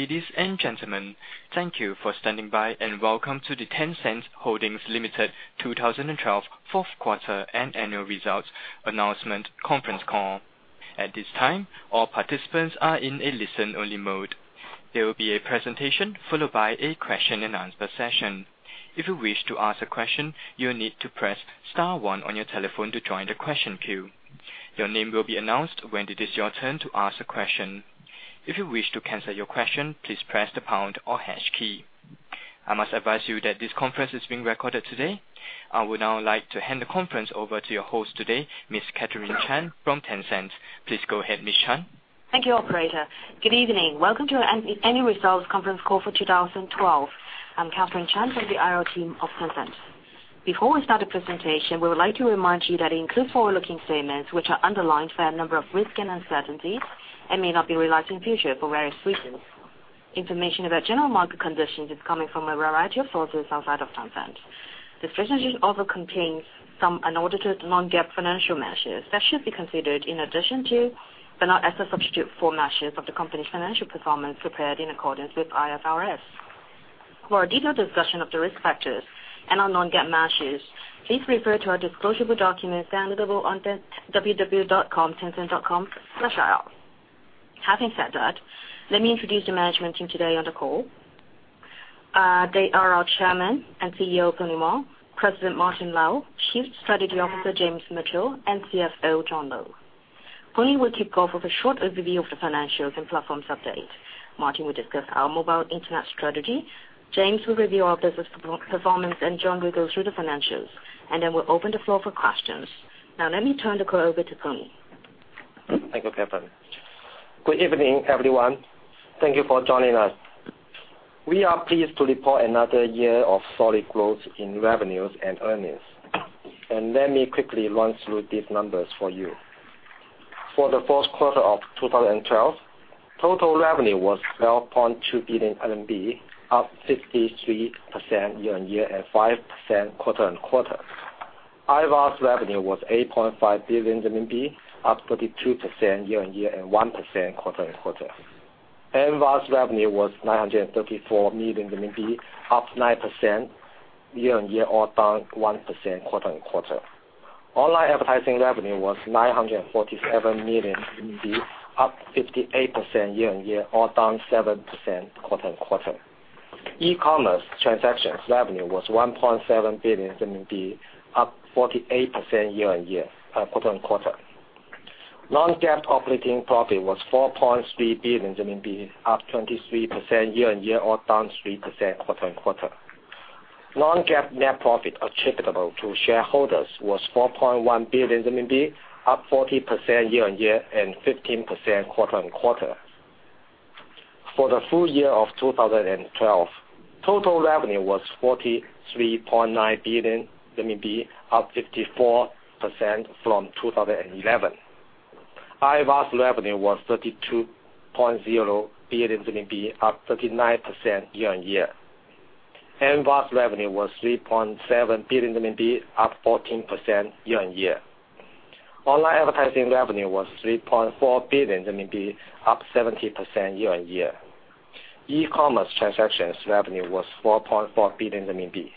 Ladies and gentlemen, thank you for standing by and welcome to the Tencent Holdings Limited 2012 fourth quarter and annual results announcement conference call. At this time, all participants are in a listen-only mode. There will be a presentation followed by a question-and-answer session. If you wish to ask a question, you need to press star one on your telephone to join the question queue. Your name will be announced when it is your turn to ask a question. If you wish to cancel your question, please press the pound or hash key. I must advise you that this conference is being recorded today. I would now like to hand the conference over to your host today, Ms. Catherine Chan from Tencent. Please go ahead, Ms. Chan. Thank you, operator. Good evening. Welcome to our annual results conference call for 2012. I'm Catherine Chan from the IR team of Tencent. Before we start the presentation, we would like to remind you that it includes forward-looking statements, which are underlined by a number of risks and uncertainties and may not be realized in future for various reasons. Information about general market conditions is coming from a variety of sources outside of Tencent. This presentation also contains some unaudited non-GAAP financial measures that should be considered in addition to, but not as a substitute for, measures of the company's financial performance prepared in accordance with IFRS. For a detailed discussion of the risk factors and on non-GAAP measures, please refer to our disclosure documents downloadable on www.tencent.com/ir. Having said that, let me introduce the management team today on the call. They are our Chairman and CEO, Pony Ma, President Martin Lau, Chief Strategy Officer James Mitchell, and CFO John Lo. Pony will kick off with a short overview of the financials and platforms update. Martin will discuss our mobile Internet strategy. James will review our business performance, and John will go through the financials. Then we'll open the floor for questions. Now let me turn the call over to Pony. Thank you, Catherine. Good evening, everyone. Thank you for joining us. We are pleased to report another year of solid growth in revenues and earnings. Let me quickly run through these numbers for you. For the fourth quarter of 2012, total revenue was 12.2 billion RMB, up 53% year-on-year and 5% quarter-on-quarter. IVAS revenue was 8.5 billion RMB, up 32% year-on-year and 1% quarter-on-quarter. MVAS revenue was 934 million RMB, up 9% year-on-year or down 1% quarter-on-quarter. Online advertising revenue was 947 million, up 58% year-on-year or down 7% quarter-on-quarter. E-commerce transactions revenue was 1.7 billion RMB, up 48% quarter-on-quarter. Non-GAAP operating profit was 4.3 billion RMB, up 23% year-on-year or down 3% quarter-on-quarter. Non-GAAP net profit attributable to shareholders was 4.1 billion RMB, up 40% year-on-year and 15% quarter-on-quarter. For the full year of 2012, total revenue was 43.9 billion RMB, up 54% from 2011. IVAS revenue was 32.0 billion RMB, up 39% year-on-year. MVAS revenue was 3.7 billion RMB, up 14% year-over-year. Online advertising revenue was 3.4 billion RMB, up 70% year-over-year. E-commerce transactions revenue was 4.4 billion RMB.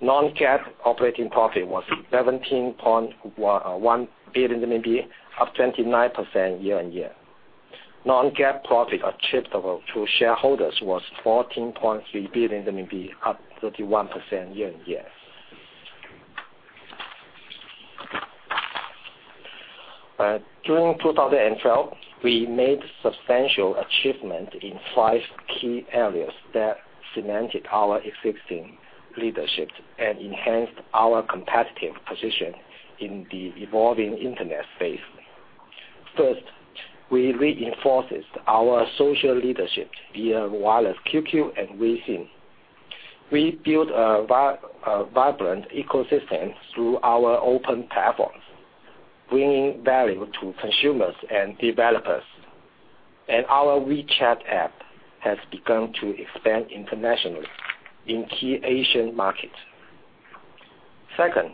Non-GAAP operating profit was 17.1 billion RMB, up 29% year-over-year. Non-GAAP profit attributable to shareholders was 14.3 billion RMB, up 31% year-over-year. During 2012, we made substantial achievement in five key areas that cemented our existing leadership and enhanced our competitive position in the evolving Internet space. First, we reinforced our social leadership via wireless QQ and Weixin. We built a vibrant ecosystem through our open platforms, bringing value to consumers and developers. Our WeChat app has begun to expand internationally in key Asian markets. Second,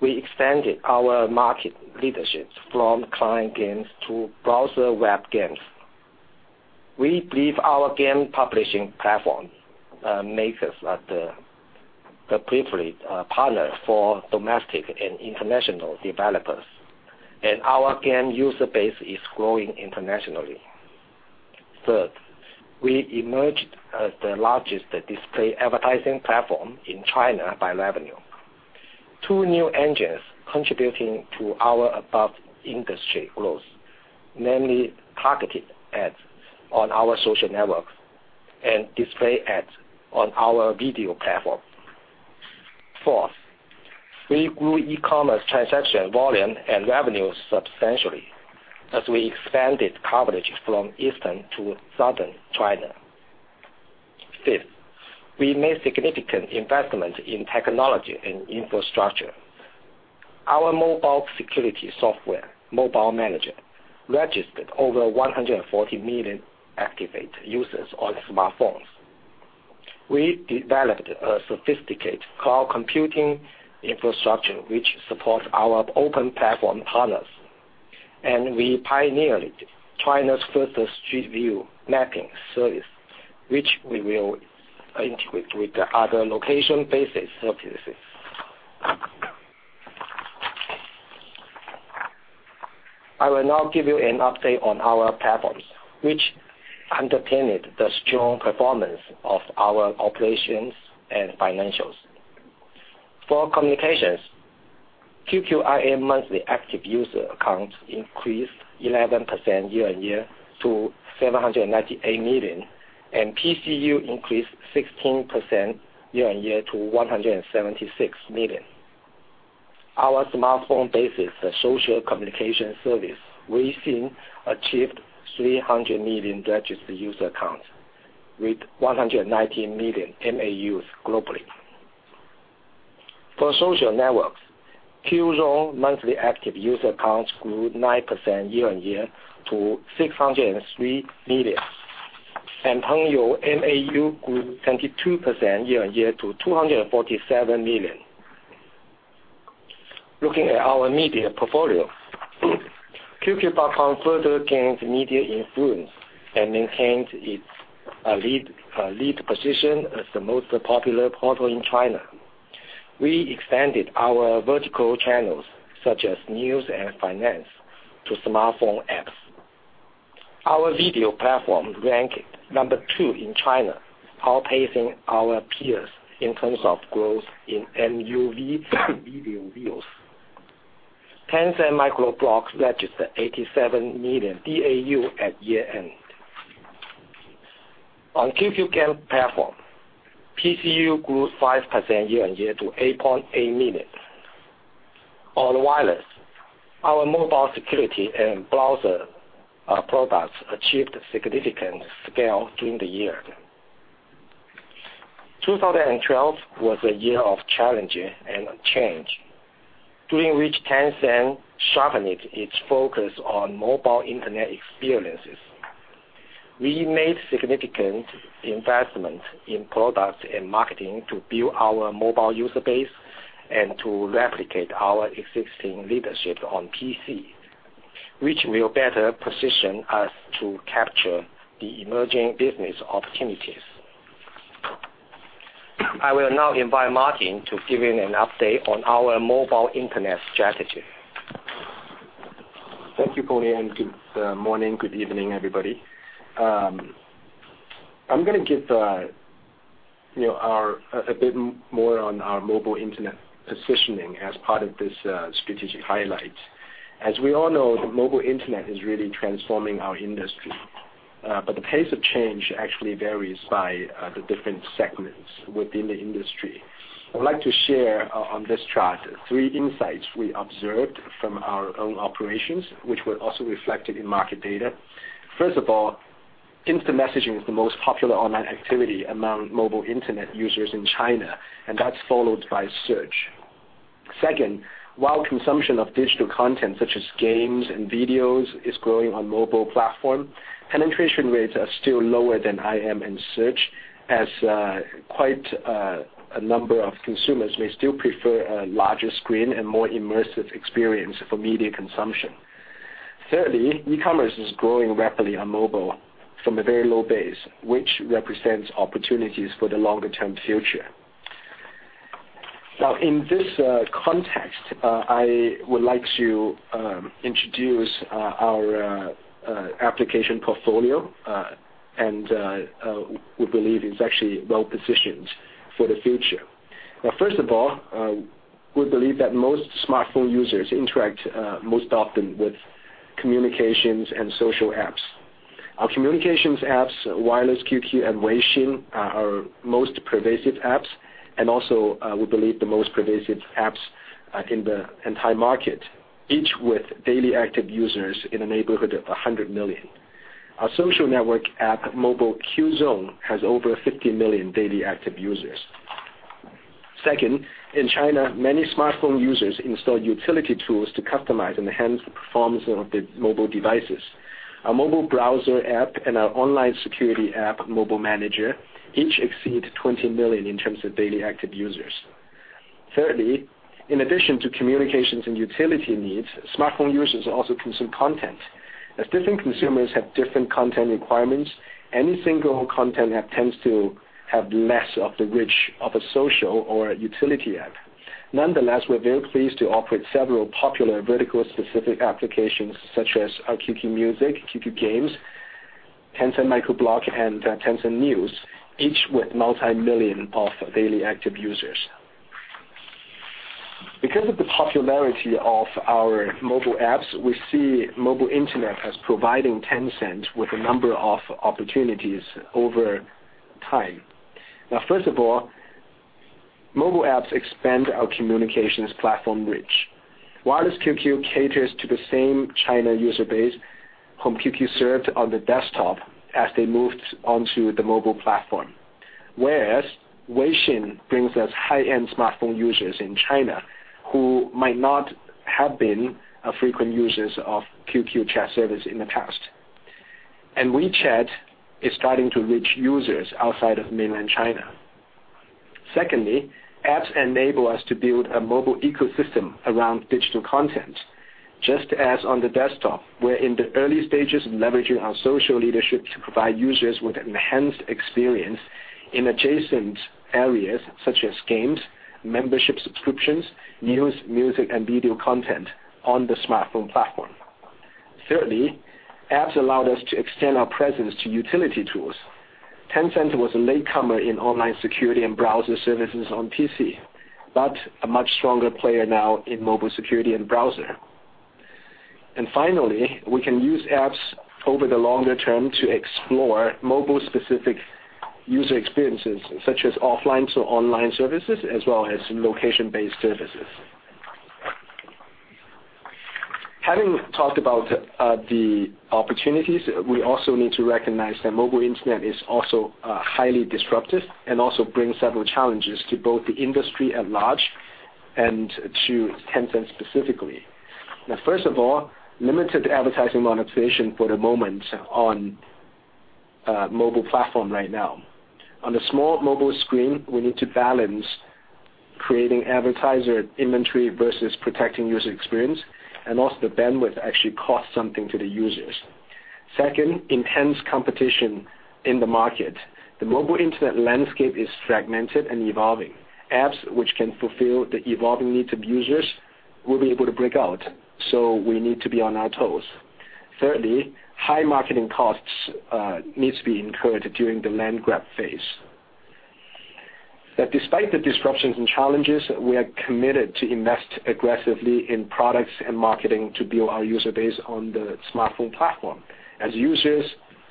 we expanded our market leadership from client games to browser web games. We believe our game publishing platform makes us the privileged partner for domestic and international developers. Our game user base is growing internationally. Third, we emerged as the largest display advertising platform in China by revenue. Two new engines contributing to our above-industry growth, namely targeted ads on our social networks and display ads on our video platform. Fourth, we grew e-commerce transaction volume and revenue substantially as we expanded coverage from eastern to southern China. Fifth, we made significant investments in technology and infrastructure. Our mobile security software, Tencent Mobile Manager, registered over 140 million activated users on smartphones. We developed a sophisticated cloud computing infrastructure which supports our open platform partners. We pioneered China's first street view mapping service, which we will integrate with the other location-based services. I will now give you an update on our platforms, which underpinned the strong performance of our operations and financials. For communications, QQ IM monthly active user accounts increased 11% year-over-year to 798 million, and PCU increased 16% year-over-year to 176 million. Our smartphone-based social communication service, Weixin, achieved 300 million registered user accounts with 190 million MAUs globally. For social networks, Qzone monthly active user accounts grew 9% year-over-year to 603 million, and Pengyou MAU grew 22% year-over-year to 247 million. Looking at our media portfolio, QQ.com further gained media influence and maintained its lead position as the most popular portal in China. We expanded our vertical channels, such as news and finance, to smartphone apps. Our video platform ranked number two in China, outpacing our peers in terms of growth in MUV video views. Tencent Weibo registered 87 million DAU at year-end. On QQ Games platform, PCU grew 5% year-over-year to 8.8 million. On wireless, our mobile security and browser products achieved significant scale during the year. 2012 was a year of challenge and change, during which Tencent sharpened its focus on mobile Internet experiences. We made significant investments in products and marketing to build our mobile user base and to replicate our existing leadership on PC, which will better position us to capture the emerging business opportunities. I will now invite Martin to give an update on our mobile Internet strategy. Thank you, Pony, good morning, good evening, everybody. I'm going to give a bit more on our mobile internet positioning as part of this strategic highlight. As we all know, the mobile internet is really transforming our industry, but the pace of change actually varies by the different segments within the industry. I would like to share, on this chart, three insights we observed from our own operations, which were also reflected in market data. First, instant messaging is the most popular online activity among mobile internet users in China, and that's followed by search. Second, while consumption of digital content such as games and videos is growing on mobile platform, penetration rates are still lower than IM and search, as quite a number of consumers may still prefer a larger screen and more immersive experience for media consumption. Thirdly, e-commerce is growing rapidly on mobile from a very low base, which represents opportunities for the longer-term future. In this context, I would like to introduce our application portfolio, we believe it's actually well-positioned for the future. First, we believe that most smartphone users interact most often with communications and social apps. Our communications apps, Mobile QQ and Weixin, are our most pervasive apps, also, we believe the most pervasive apps in the entire market, each with daily active users in the neighborhood of 100 million. Our social network app, Qzone, has over 50 million daily active users. Second, in China, many smartphone users install utility tools to customize and enhance the performance of their mobile devices. Our mobile browser app and our online security app, Mobile Manager, each exceed 20 million in terms of daily active users. Thirdly, in addition to communications and utility needs, smartphone users also consume content. As different consumers have different content requirements, any single content app tends to have less of the reach of a social or a utility app. Nonetheless, we're very pleased to operate several popular vertical specific applications such as our QQ Music, QQ Games, Tencent Weibo, and Tencent News, each with multi-million of daily active users. Because of the popularity of our mobile apps, we see mobile internet as providing Tencent with a number of opportunities over time. First, mobile apps expand our communications platform reach. Mobile QQ caters to the same China user base whom QQ served on the desktop as they moved onto the mobile platform. Whereas Weixin brings us high-end smartphone users in China who might not have been frequent users of QQ chat service in the past. WeChat is starting to reach users outside of mainland China. Secondly, apps enable us to build a mobile ecosystem around digital content, just as on the desktop. We're in the early stages of leveraging our social leadership to provide users with enhanced experience in adjacent areas such as games, membership subscriptions, news, music, and video content on the smartphone platform. Thirdly, apps allowed us to extend our presence to utility tools. Tencent was a latecomer in online security and browser services on PC, but a much stronger player now in mobile security and browser. Finally, we can use apps over the longer term to explore mobile-specific user experiences, such as offline to online services, as well as location-based services. Having talked about the opportunities, we also need to recognize that mobile Internet is also highly disruptive and also brings several challenges to both the industry at large and to Tencent specifically. First of all, limited advertising monetization for the moment on mobile platform right now. On the small mobile screen, we need to balance creating advertiser inventory versus protecting user experience, and also the bandwidth actually cost something to the users. Second, intense competition in the market. The mobile Internet landscape is fragmented and evolving. Apps which can fulfill the evolving needs of users will be able to break out. We need to be on our toes. Thirdly, high marketing costs needs to be incurred during the land grab phase. Despite the disruptions and challenges, we are committed to invest aggressively in products and marketing to build our user base on the smartphone platform. As users,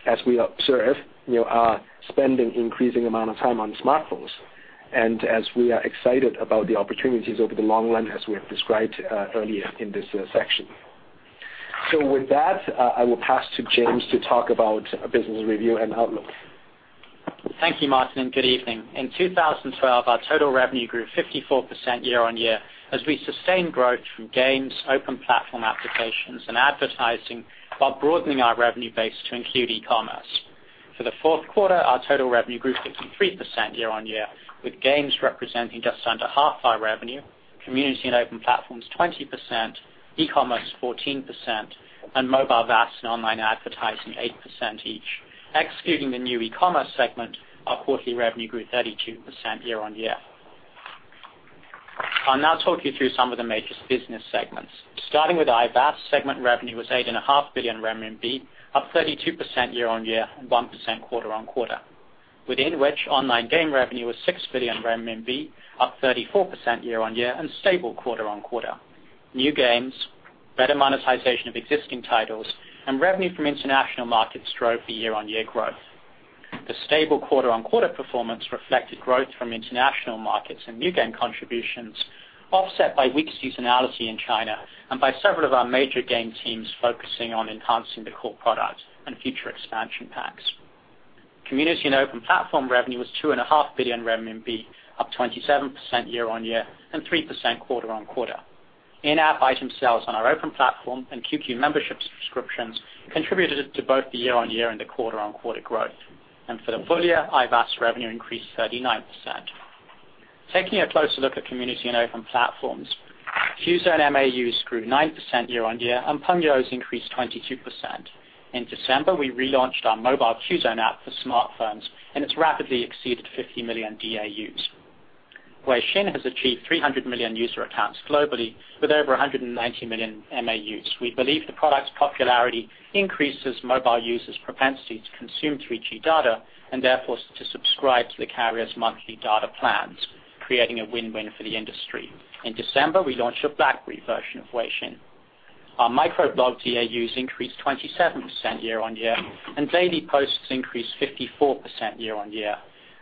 as we observe, are spending increasing amount of time on smartphones, and as we are excited about the opportunities over the long run, as we have described earlier in this section. With that, I will pass to James to talk about business review and outlook. Thank you, Martin, and good evening. In 2012, our total revenue grew 54% year-on-year, as we sustained growth from games, open platform applications, and advertising, while broadening our revenue base to include e-commerce. For the fourth quarter, our total revenue grew 53% year-on-year, with games representing just under half our revenue, community and open platforms 20%, e-commerce 14%, and MVAS and online advertising 8% each. Excluding the new e-commerce segment, our quarterly revenue grew 32% year-on-year. I'll now talk you through some of the major business segments. Starting with IVAS, segment revenue was 8.5 billion RMB, up 32% year-on-year, and 1% quarter-on-quarter. Within which, online game revenue was 6 billion RMB, up 34% year-on-year and stable quarter-on-quarter. New games, better monetization of existing titles, and revenue from international markets drove the year-on-year growth. The stable quarter-on-quarter performance reflected growth from international markets and new game contributions, offset by weak seasonality in China, and by several of our major game teams focusing on enhancing the core product and future expansion packs. Community and open platform revenue was 2.5 billion RMB, up 27% year-on-year and 3% quarter-on-quarter. In-app item sales on our open platform and QQ memberships subscriptions contributed to both the year-on-year and the quarter-on-quarter growth. For the full year, IVAS revenue increased 39%. Taking a closer look at community and open platforms. Qzone MAUs grew 9% year-on-year, and Pengyou's increased 22%. In December, we relaunched our mobile Qzone app for smartphones, and it's rapidly exceeded 50 million DAUs. Weixin has achieved 300 million user accounts globally, with over 190 million MAUs. We believe the product's popularity increases mobile users' propensity to consume 3G data, and therefore to subscribe to the carrier's monthly data plans, creating a win-win for the industry. In December, we launched a BlackBerry version of Weixin. Our microblog DAUs increased 27% year-on-year, and daily posts increased 54% year-on-year.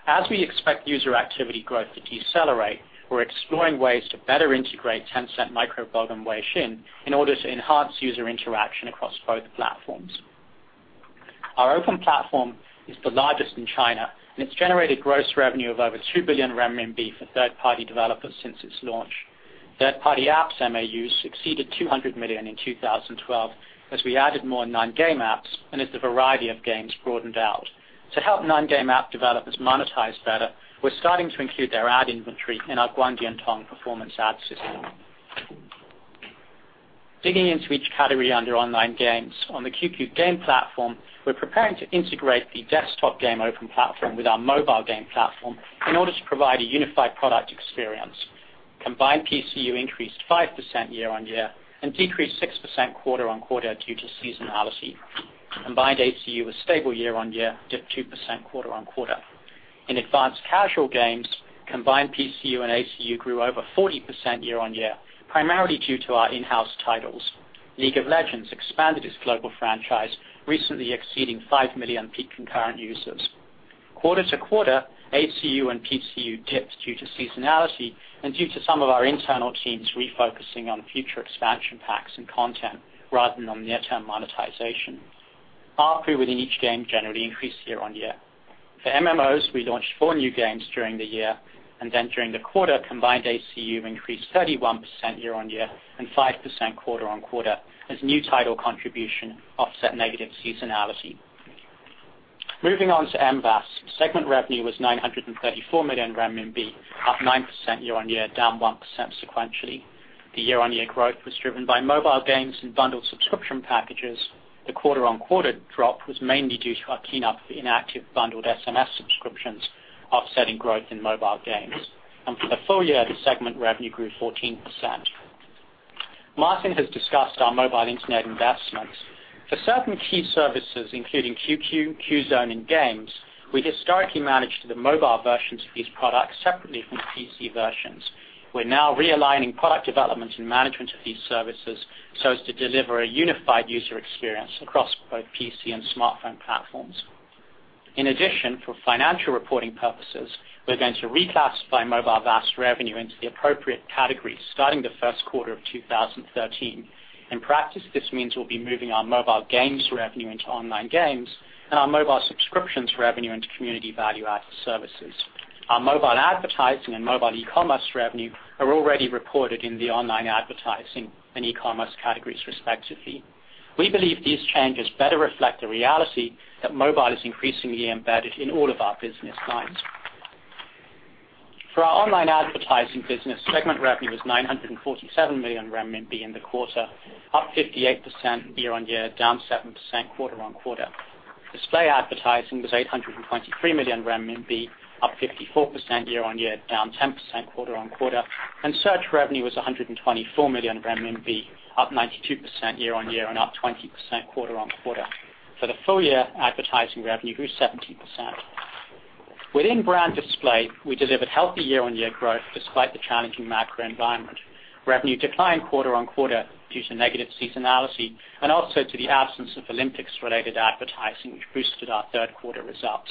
As we expect user activity growth to decelerate, we're exploring ways to better integrate Tencent microblog and Weixin in order to enhance user interaction across both platforms. Our open platform is the largest in China, and it's generated gross revenue of over 2 billion renminbi for third-party developers since its launch. Third-party apps MAUs exceeded 200 million in 2012, as we added more non-game apps and as the variety of games broadened out. To help non-game app developers monetize better, we're starting to include their ad inventory in our Guangdian Tong performance ad system. Digging into each category under online games. On the QQ game platform, we're preparing to integrate the desktop game open platform with our mobile game platform in order to provide a unified product experience. Combined PCU increased 5% year-on-year and decreased 6% quarter-on-quarter due to seasonality. Combined ACU was stable year-on-year, dipped 2% quarter-on-quarter. In advanced casual games, combined PCU and ACU grew over 40% year-on-year, primarily due to our in-house titles. League of Legends expanded its global franchise, recently exceeding 5 million peak concurrent users. Quarter-to-quarter, ACU and PCU dipped due to seasonality and due to some of our internal teams refocusing on future expansion packs and content rather than on near-term monetization. ARPU within each game generally increased year-on-year. For MMOs, we launched 4 new games during the year. During the quarter, combined ACU increased 31% year-on-year and 5% quarter-on-quarter as new title contribution offset negative seasonality. Moving on to mVAS. Segment revenue was 934 million RMB, up 9% year-on-year, down 1% sequentially. The year-on-year growth was driven by mobile games and bundled subscription packages. The quarter-on-quarter drop was mainly due to our clean up of the inactive bundled SMS subscriptions offsetting growth in mobile games. For the full year, the segment revenue grew 14%. Martin has discussed our mobile Internet investments. For certain key services, including QQ, Qzone, and Games, we historically managed the mobile versions of these products separately from the PC versions. We're now realigning product development and management of these services so as to deliver a unified user experience across both PC and smartphone platforms. In addition, for financial reporting purposes, we're going to reclassify mobile VAS revenue into the appropriate categories starting the first quarter of 2013. In practice, this means we'll be moving our mobile games revenue into online games and our mobile subscriptions revenue into community value-added services. Our mobile advertising and mobile eCommerce revenue are already reported in the online advertising and eCommerce categories respectively. We believe these changes better reflect the reality that mobile is increasingly embedded in all of our business lines. For our online advertising business, segment revenue was 947 million renminbi in the quarter, up 58% year-on-year, down 7% quarter-on-quarter. Display advertising was 823 million RMB, up 54% year-on-year, down 10% quarter-on-quarter. Search revenue was 124 million RMB, up 92% year-on-year and up 20% quarter-on-quarter. For the full year, advertising revenue grew 70%. Within brand display, we delivered healthy year-on-year growth despite the challenging macro environment. Revenue declined quarter-on-quarter due to negative seasonality and also to the absence of Olympics related advertising, which boosted our third quarter results.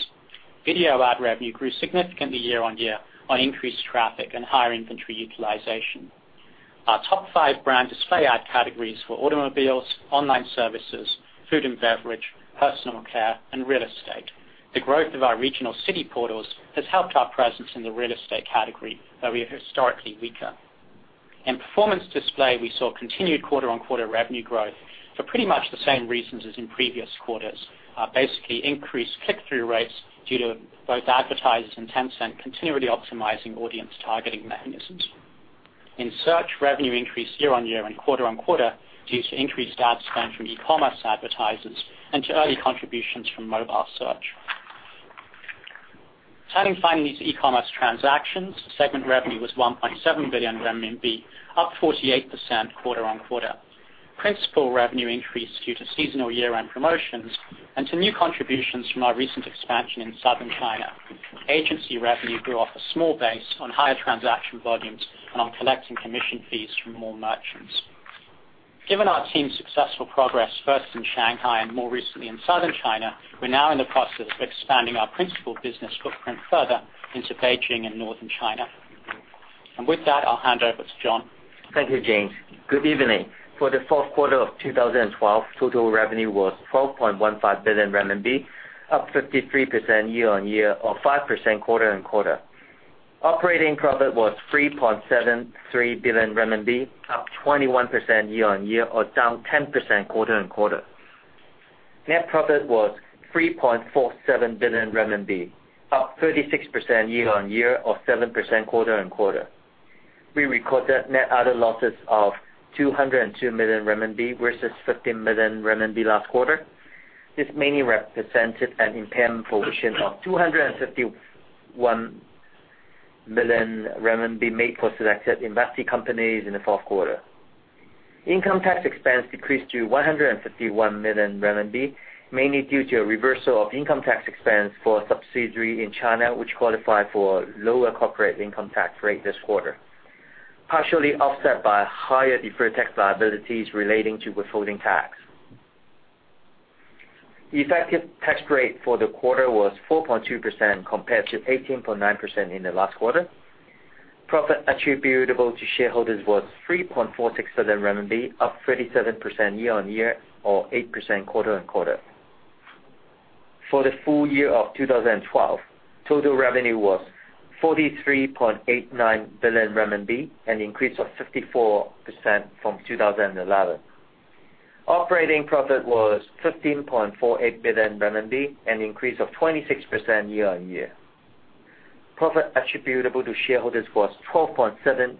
Video ad revenue grew significantly year-on-year on increased traffic and higher inventory utilization. Our top five brand display ad categories were automobiles, online services, food and beverage, personal care, and real estate. The growth of our regional city portals has helped our presence in the real estate category, where we are historically weaker. In performance display, we saw continued quarter-on-quarter revenue growth for pretty much the same reasons as in previous quarters. Increased click-through rates due to both advertisers and Tencent continually optimizing audience targeting mechanisms. In search, revenue increased year-on-year and quarter-on-quarter due to increased ad spend from eCommerce advertisers and to early contributions from mobile search. Turning finally to eCommerce transactions, segment revenue was 1.7 billion RMB, up 48% quarter-on-quarter. Principal revenue increased due to seasonal year-end promotions and to new contributions from our recent expansion in southern China. Agency revenue grew off a small base on higher transaction volumes and on collecting commission fees from more merchants. Given our team's successful progress first in Shanghai and more recently in southern China, we're now in the process of expanding our principal business footprint further into Beijing and northern China. With that, I'll hand over to John. Thank you, James. Good evening. For the fourth quarter of 2012, total revenue was 12.15 billion RMB, up 53% year-on-year or 5% quarter-on-quarter. Operating profit was 3.73 billion RMB, up 21% year-on-year or down 10% quarter-on-quarter. Net profit was 3.47 billion RMB, up 36% year-on-year or 7% quarter-on-quarter. We recorded net other losses of 202 million RMB versus 15 million RMB last quarter. This mainly represented an impairment provision of 251 million RMB made for selected investee companies in the fourth quarter. Income tax expense decreased to 151 million RMB, mainly due to a reversal of income tax expense for a subsidiary in China, which qualified for lower corporate income tax rate this quarter, partially offset by higher deferred tax liabilities relating to withholding tax. The effective tax rate for the quarter was 4.2% compared to 18.9% in the last quarter. Profit attributable to shareholders was 3.467 RMB, up 37% year-on-year or 8% quarter-on-quarter. For the full year of 2012, total revenue was 43.89 billion RMB, an increase of 54% from 2011. Operating profit was 15.48 billion RMB, an increase of 26% year-on-year. Profit attributable to shareholders was 12.73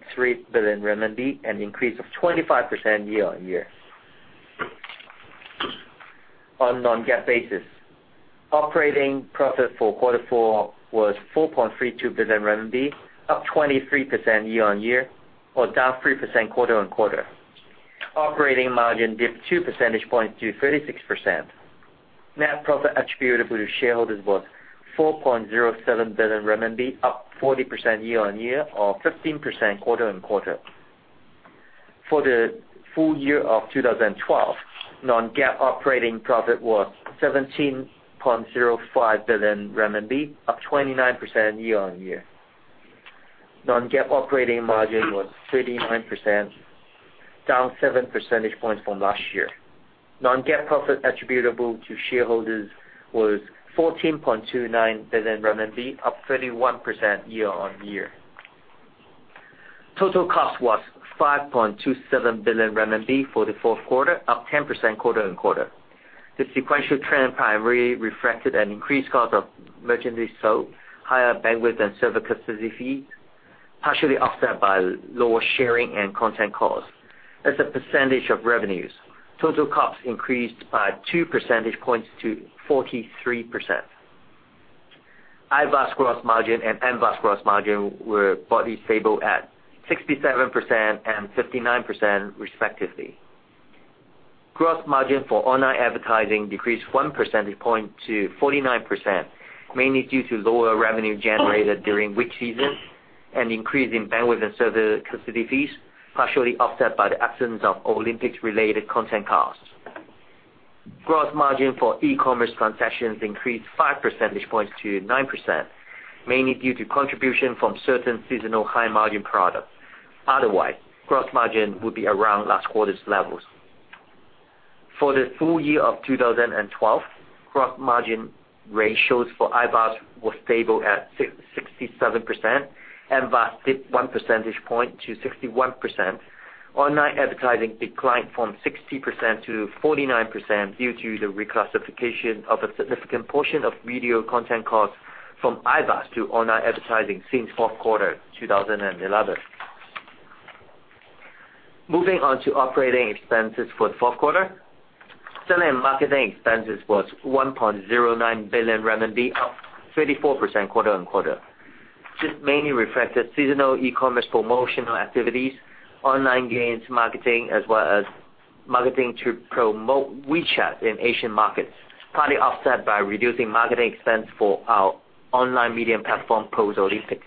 billion RMB, an increase of 25% year-on-year. On non-GAAP basis, operating profit for Q4 was 4.32 billion RMB, up 23% year-on-year or down 3% quarter-on-quarter. Operating margin dipped 2 percentage points to 36%. Net profit attributable to shareholders was 4.07 billion renminbi, up 40% year-on-year or 15% quarter-on-quarter. For the full year of 2012, non-GAAP operating profit was 17.05 billion RMB, up 29% year-on-year. Non-GAAP operating margin was 39%, down seven percentage points from last year. Non-GAAP profit attributable to shareholders was 14.29 billion RMB, up 31% year-over-year. Total cost was 5.27 billion RMB for the fourth quarter, up 10% quarter-over-quarter. The sequential trend primarily reflected an increased cost of merchandise sold, higher bandwidth and server facility fees, partially offset by lower sharing and content costs. As a percentage of revenues, total costs increased by 2 percentage points to 43%. IVAS gross margin and MVAS gross margin were broadly stable at 67% and 59%, respectively. Gross margin for online advertising decreased one percentage point to 49%, mainly due to lower revenue generated during weak seasons and increase in bandwidth and server facility fees, partially offset by the absence of Olympics-related content costs. Gross margin for [e-commerce concessions] increased five percentage points to 9%, mainly due to contribution from certain seasonal high-margin products. Otherwise, gross margin would be around last quarter's levels. For the full year of 2012, gross margin ratios for IVAS was stable at 67%, mVAS dipped one percentage point to 61%. Online advertising declined from 60% to 49% due to the reclassification of a significant portion of video content costs from IVAS to online advertising since fourth quarter 2011. Operating expenses for the fourth quarter. Selling and marketing expenses was 1.09 billion RMB, up 34% quarter-over-quarter. This mainly reflected seasonal e-commerce promotional activities, online games marketing, as well as marketing to promote WeChat in Asian markets, partly offset by reducing marketing expense for our online media platform post-Olympics.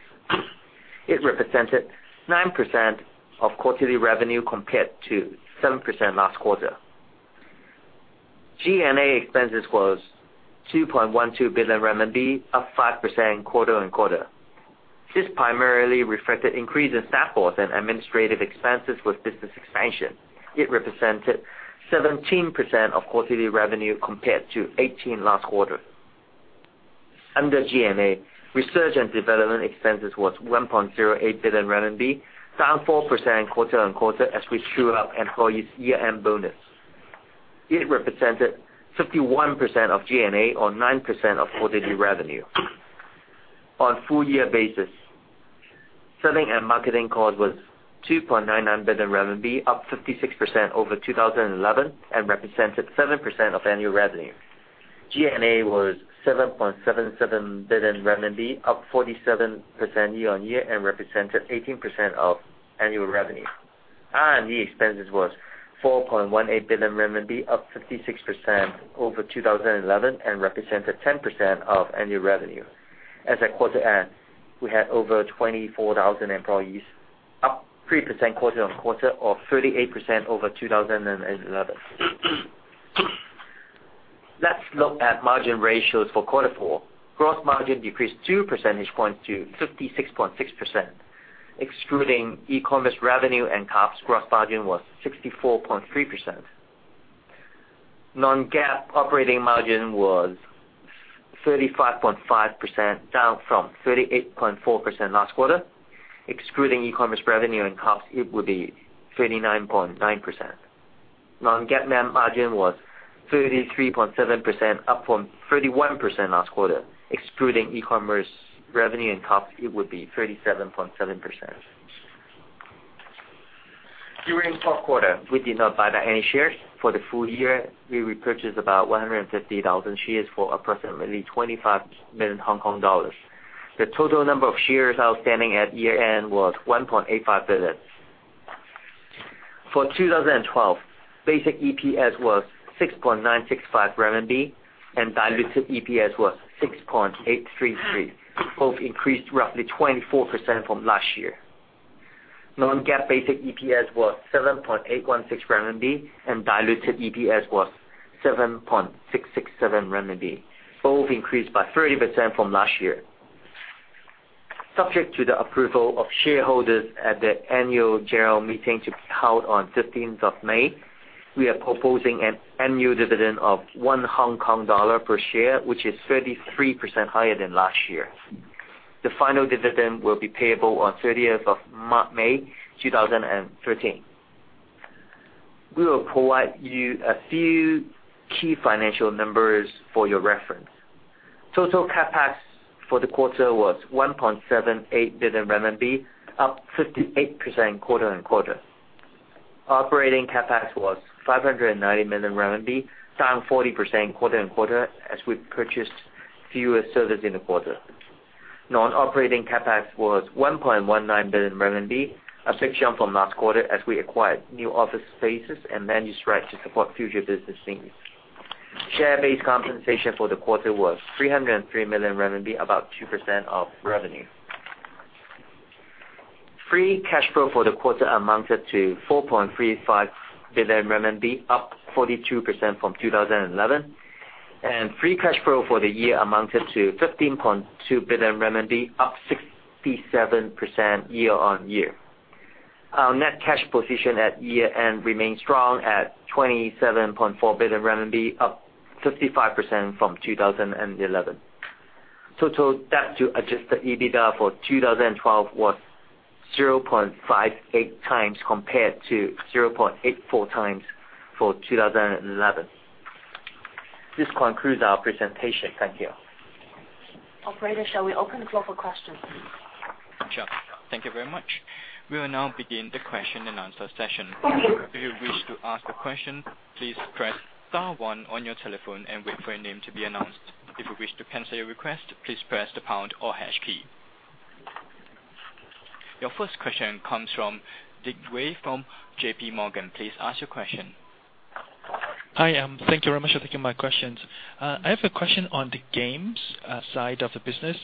It represented 9% of quarterly revenue, compared to 7% last quarter. G&A expenses was 2.12 billion RMB, up 5% quarter-over-quarter. This primarily reflected increase in staff costs and administrative expenses with business expansion. It represented 17% of quarterly revenue, compared to 18% last quarter. Under G&A, R&D expenses was 1.08 billion RMB, down 4% quarter-over-quarter as we true up employees' year-end bonus. It represented 51% of G&A or 9% of quarterly revenue. On a full year basis, selling and marketing cost was 2.99 billion RMB, up 56% over 2011 and represented 7% of annual revenue. G&A was 7.77 billion RMB, up 47% year-over-year and represented 18% of annual revenue. R&D expenses was 4.18 billion RMB, up 56% over 2011 and represented 10% of annual revenue. As at quarter end, we had over 24,000 employees, up 3% quarter-over-quarter or 38% over 2011. Margin ratios for quarter four. Gross margin decreased two percentage points to 56.6%. Excluding e-commerce revenue and costs, gross margin was 64.3%. Non-GAAP operating margin was 35.5%, down from 38.4% last quarter. Excluding e-commerce revenue and costs, it would be 39.9%. Non-GAAP net margin was 33.7%, up from 31% last quarter. Excluding e-commerce revenue and costs, it would be 37.7%. During fourth quarter, we did not buy back any shares. For the full year, we repurchased about 150,000 shares for approximately 25 million Hong Kong dollars. The total number of shares outstanding at year-end was 1.85 billion. For 2012, basic EPS was 6.965 RMB and diluted EPS was 6.833, both increased roughly 24% from last year. Non-GAAP basic EPS was 7.816 RMB and diluted EPS was 7.667 RMB, both increased by 30% from last year. Subject to the approval of shareholders at the annual general meeting to be held on 15th of May, we are proposing an annual dividend of 1 Hong Kong dollar per share, which is 33% higher than last year. The final dividend will be payable on 30th of May 2013. We will provide you a few key financial numbers for your reference. Total CapEx for the quarter was 1.78 billion RMB, up 58% quarter-over-quarter. Operating CapEx was 590 million RMB, down 40% quarter-over-quarter as we purchased fewer servers in the quarter. Non-operating CapEx was 1.19 billion RMB, up significantly from last quarter as we acquired new office spaces and land use right to support future business needs. Share-based compensation for the quarter was 303 million RMB, about 2% of revenue. Free cash flow for the quarter amounted to 4.35 billion RMB, up 42% from 2011. Free cash flow for the year amounted to 15.2 billion RMB, up 67% year-over-year. Our net cash position at year-end remains strong at 27.4 billion RMB, up 55% from 2011. Total debt to adjusted EBITDA for 2012 was 0.58 times compared to 0.84 times for 2011. This concludes our presentation. Thank you. Operator, shall we open the floor for questions? Sure. Thank you very much. We will now begin the question-and-answer session. Okay. If you wish to ask a question, please press star one on your telephone and wait for your name to be announced. If you wish to cancel your request, please press the pound or hash key. Your first question comes from Dick Wei from JPMorgan. Please ask your question. Hi. Thank you very much for taking my questions. I have a question on the games side of the business.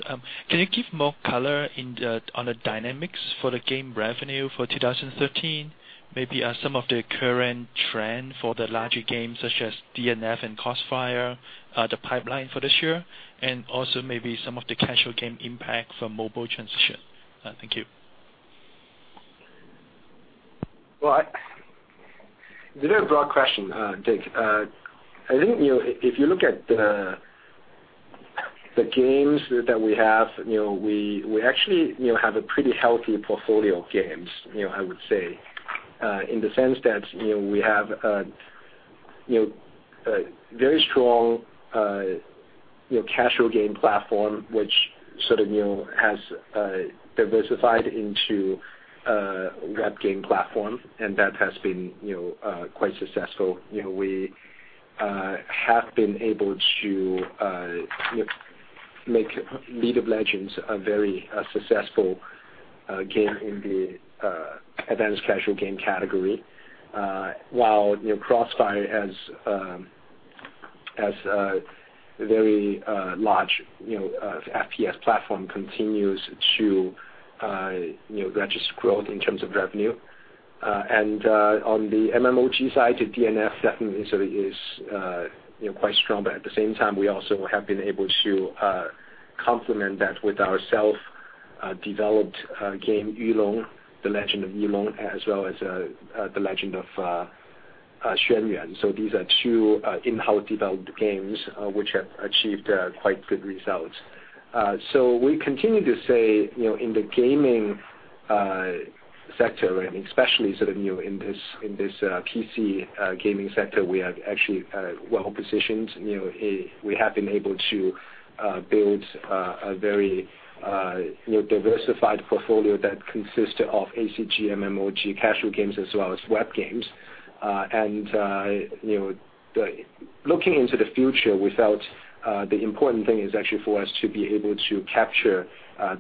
Can you give more color on the dynamics for the game revenue for 2013? Maybe some of the current trend for the larger games such as DNF and CrossFire, the pipeline for this year, and also maybe some of the casual game impact from mobile transition. Thank you. Well, it's a very broad question, Dick. I think if you look at the games that we have, we actually have a pretty healthy portfolio of games, I would say, in the sense that we have a very strong casual game platform, which sort of has diversified into a web game platform, and that has been quite successful. We have been able to make League of Legends a very successful game in the advanced casual game category, while CrossFire, as a very large FPS platform, continues to register growth in terms of revenue. And on the MMOG side to DNF, that is quite strong. But at the same time, we also have been able to complement that with our self-developed game, Yu Long, The Legend of Yu Long, as well as The Legend of Xuan Yuan. These are two in-house developed games which have achieved quite good results. We continue to say in the gaming sector, and especially sort of in this PC gaming sector, we are actually well-positioned. We have been able to build a very diversified portfolio that consists of ACG, MMOG, casual games, as well as web games. Looking into the future, we felt the important thing is actually for us to be able to capture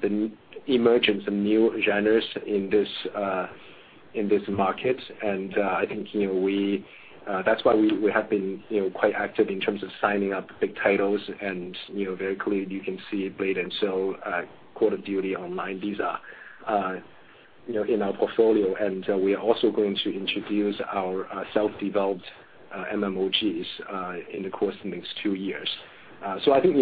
the emergence of new genres in this market. I think that's why we have been quite active in terms of signing up big titles, and very clearly you can see Blade & Soul, Call of Duty Online, these are in our portfolio. We are also going to introduce our self-developed MMOGs in the course of the next two years. I think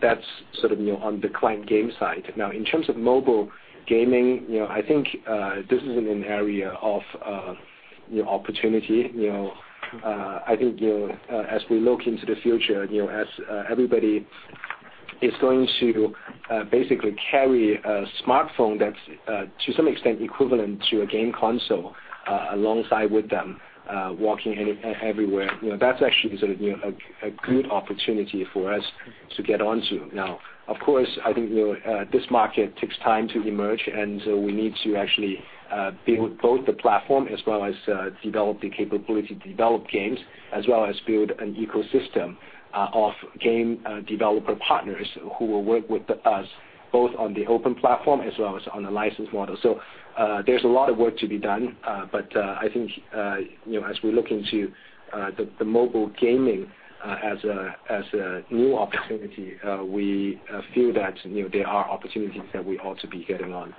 that's sort of on the client game side. Now, in terms of mobile gaming, I think this is an area of opportunity. I think as we look into the future, as everybody is going to basically carry a smartphone that's, to some extent, equivalent to a game console alongside with them, walking everywhere, that's actually sort of a good opportunity for us to get onto. Of course, I think this market takes time to emerge, and we need to actually build both the platform as well as develop the capability to develop games, as well as build an ecosystem of game developer partners who will work with us both on the open platform as well as on the license model. There's a lot of work to be done. I think as we look into the mobile gaming as a new opportunity, we feel that there are opportunities that we ought to be getting on.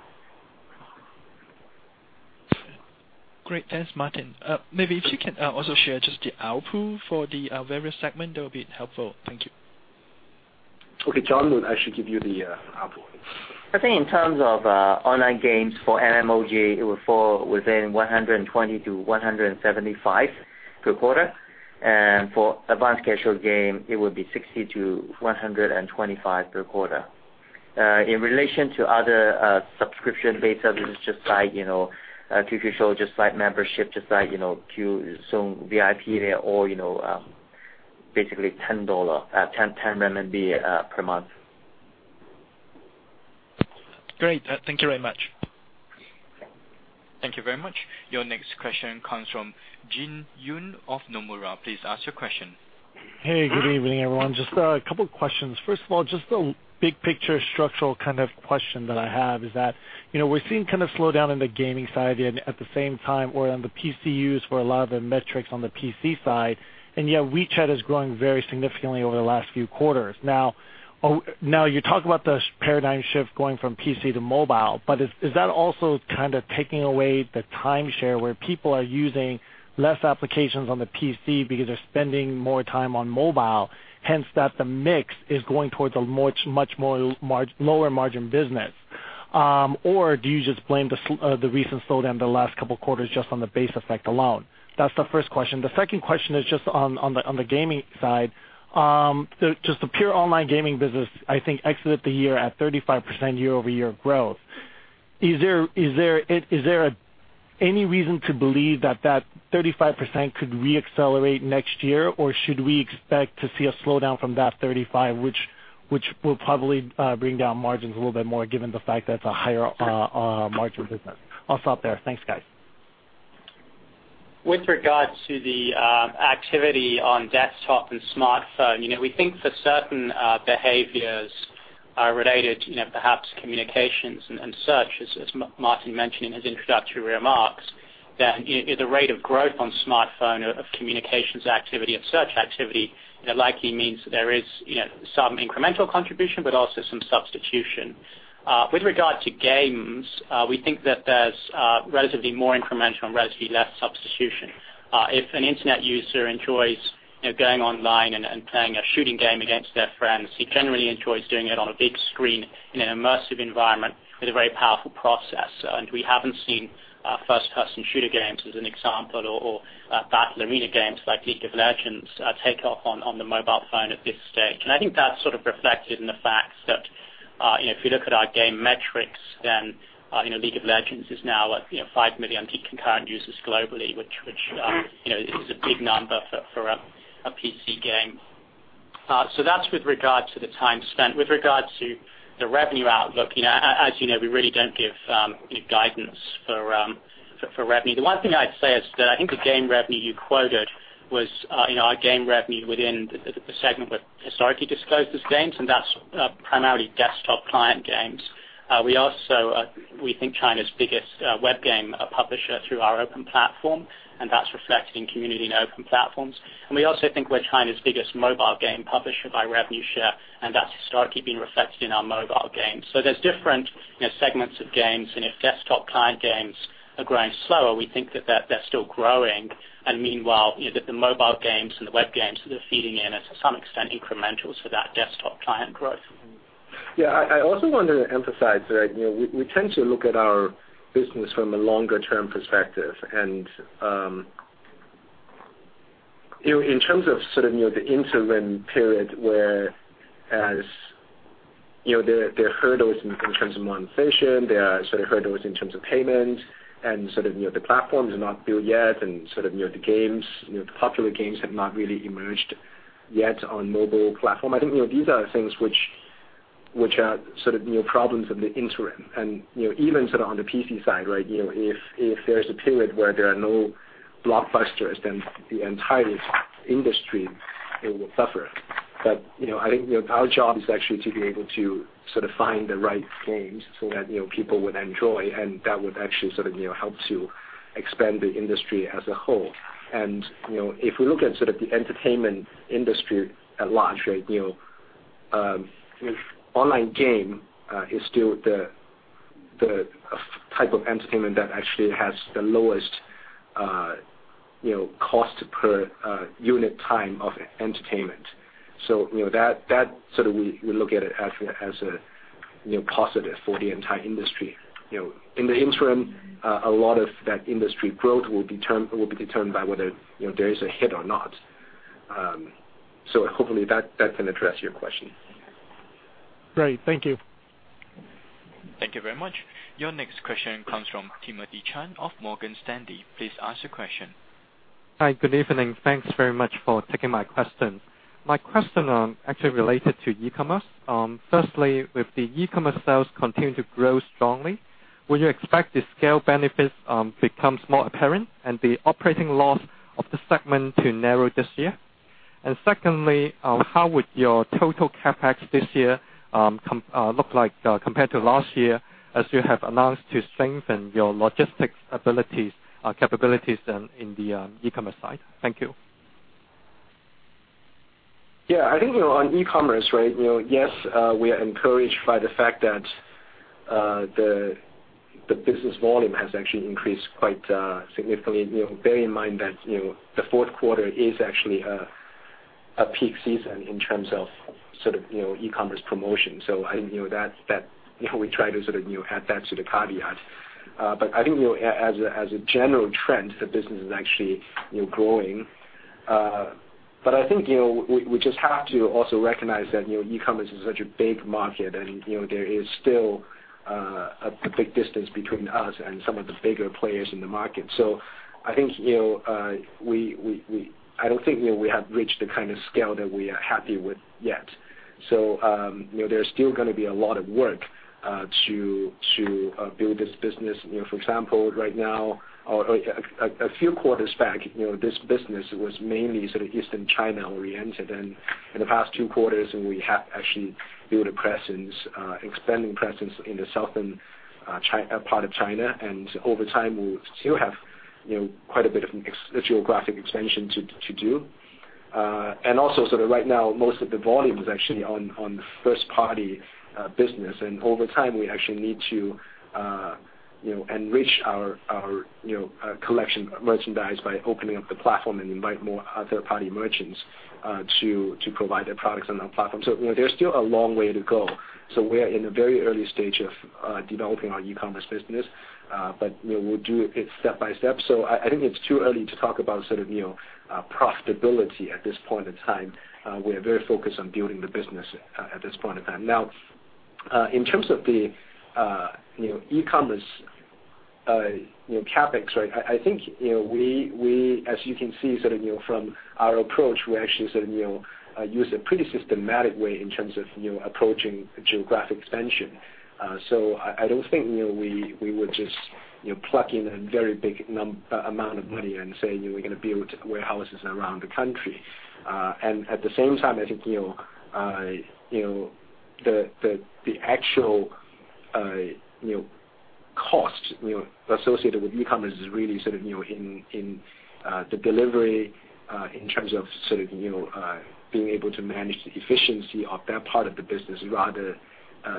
Great. Thanks, Martin. Maybe if you can also share just the output for the various segment, that would be helpful. Thank you. Okay. John will actually give you the output. I think in terms of online games for MMOG, it will fall within 120-175 per quarter. For advanced casual game, it would be 60-125 per quarter. In relation to other subscription-based services, just like QQ Show, just like membership, just like QQ Music VIP, they're all basically CNY 10 per month. Great. Thank you very much. Thank you very much. Your next question comes from Jin Yoon of Nomura. Please ask your question. Hey, good evening, everyone. Just a couple questions. First of all, just a big picture, structural kind of question that I have is that we're seeing kind of slowdown in the gaming side, yet at the same time, we're on the PCUs for a lot of the metrics on the PC side, and yet WeChat is growing very significantly over the last few quarters. You talk about the paradigm shift going from PC to mobile, but is that also kind of taking away the timeshare where people are using less applications on the PC because they're spending more time on mobile, hence that the mix is going towards a much more lower margin business? Or do you just blame the recent slowdown in the last couple of quarters just on the base effect alone? That's the first question. The second question is just on the gaming side. Just the pure online gaming business, I think exited the year at 35% year-over-year growth. Is there any reason to believe that 35% could re-accelerate next year, or should we expect to see a slowdown from that 35%, which will probably bring down margins a little bit more given the fact that it's a higher margin business? I'll stop there. Thanks, guys. With regard to the activity on desktop and smartphone, we think for certain behaviors are related to perhaps communications and search, as Martin mentioned in his introductory remarks, that the rate of growth on smartphone of communications activity and search activity likely means that there is some incremental contribution, but also some substitution. With regard to games, we think that there's relatively more incremental and relatively less substitution. If an internet user enjoys going online and playing a shooting game against their friends, he generally enjoys doing it on a big screen in an immersive environment with a very powerful processor, and we haven't seen first-person shooter games, as an example, or battle arena games like "League of Legends" take off on the mobile phone at this stage. I think that's sort of reflected in the facts that, if you look at our game metrics, then "League of Legends" is now at 5 million peak concurrent users globally, which is a big number for a PC game. That's with regard to the time spent. With regard to the revenue outlook, as you know, we really don't give guidance for revenue. The one thing I'd say is that I think the game revenue you quoted was our game revenue within the segment we historically disclosed as games, and that's primarily desktop client games. We are also, we think, China's biggest web game publisher through our open platform, and that's reflected in community and open platforms. We also think we're China's biggest mobile game publisher by revenue share, and that's historically been reflected in our mobile games. There's different segments of games, and if desktop client games are growing slower, we think that they're still growing, and meanwhile, the mobile games and the web games that are feeding in are to some extent incremental to that desktop client growth. Yeah. I also wanted to emphasize that we tend to look at our business from a longer-term perspective. In terms of sort of the interim period where there are hurdles in terms of monetization, there are sort of hurdles in terms of payment, and sort of the platforms are not built yet, and sort of the popular games have not really emerged yet on mobile platform. I think these are things which are sort of problems in the interim. Even sort of on the PC side, if there's a period where there are no blockbusters, then the entire industry will suffer. I think our job is actually to be able to sort of find the right games so that people would enjoy, and that would actually sort of help to expand the industry as a whole. If we look at sort of the entertainment industry at large, online game is still the type of entertainment that actually has the lowest cost per unit time of entertainment. We look at it as a positive for the entire industry. In the interim, a lot of that industry growth will be determined by whether there is a hit or not. Hopefully that can address your question. Great. Thank you. Thank you very much. Your next question comes from Timothy Chan of Morgan Stanley. Please ask your question. Hi. Good evening. Thanks very much for taking my question. My question actually related to e-commerce. Firstly, with the e-commerce sales continuing to grow strongly, would you expect the scale benefits become more apparent and the operating loss of the segment to narrow this year? Secondly, how would your total CapEx this year look like compared to last year as you have announced to strengthen your logistics capabilities in the e-commerce side? Thank you. Yeah. I think on e-commerce, yes, we are encouraged by the fact that the business volume has actually increased quite significantly. Bear in mind that the fourth quarter is actually a peak season in terms of sort of e-commerce promotion. We try to sort of add that caveat. I think as a general trend, the business is actually growing. I think we just have to also recognize that e-commerce is such a big market, and there is still a big distance between us and some of the bigger players in the market. I don't think we have reached the kind of scale that we are happy with yet. There's still going to be a lot of work to build this business. For example, right now, a few quarters back, this business was mainly sort of Eastern China where we entered in. In the past two quarters, we have actually built a presence, expanding presence in the southern part of China. Over time, we will still have quite a bit of geographic expansion to do. Also sort of right now, most of the volume is actually on first-party business. Over time, we actually need to enrich our collection merchandise by opening up the platform and invite more third-party merchants to provide their products on our platform. There's still a long way to go. We are in a very early stage of developing our e-commerce business. We'll do it step by step. I think it's too early to talk about sort of profitability at this point in time. We're very focused on building the business at this point in time. Now, in terms of the e-commerce CapEx, right? I think, as you can see from our approach, we actually sort of use a pretty systematic way in terms of approaching geographic expansion. I don't think we would just pluck in a very big amount of money and say, we're going to build warehouses around the country. At the same time, I think, the actual cost associated with e-commerce is really sort of in the delivery, in terms of being able to manage the efficiency of that part of the business, rather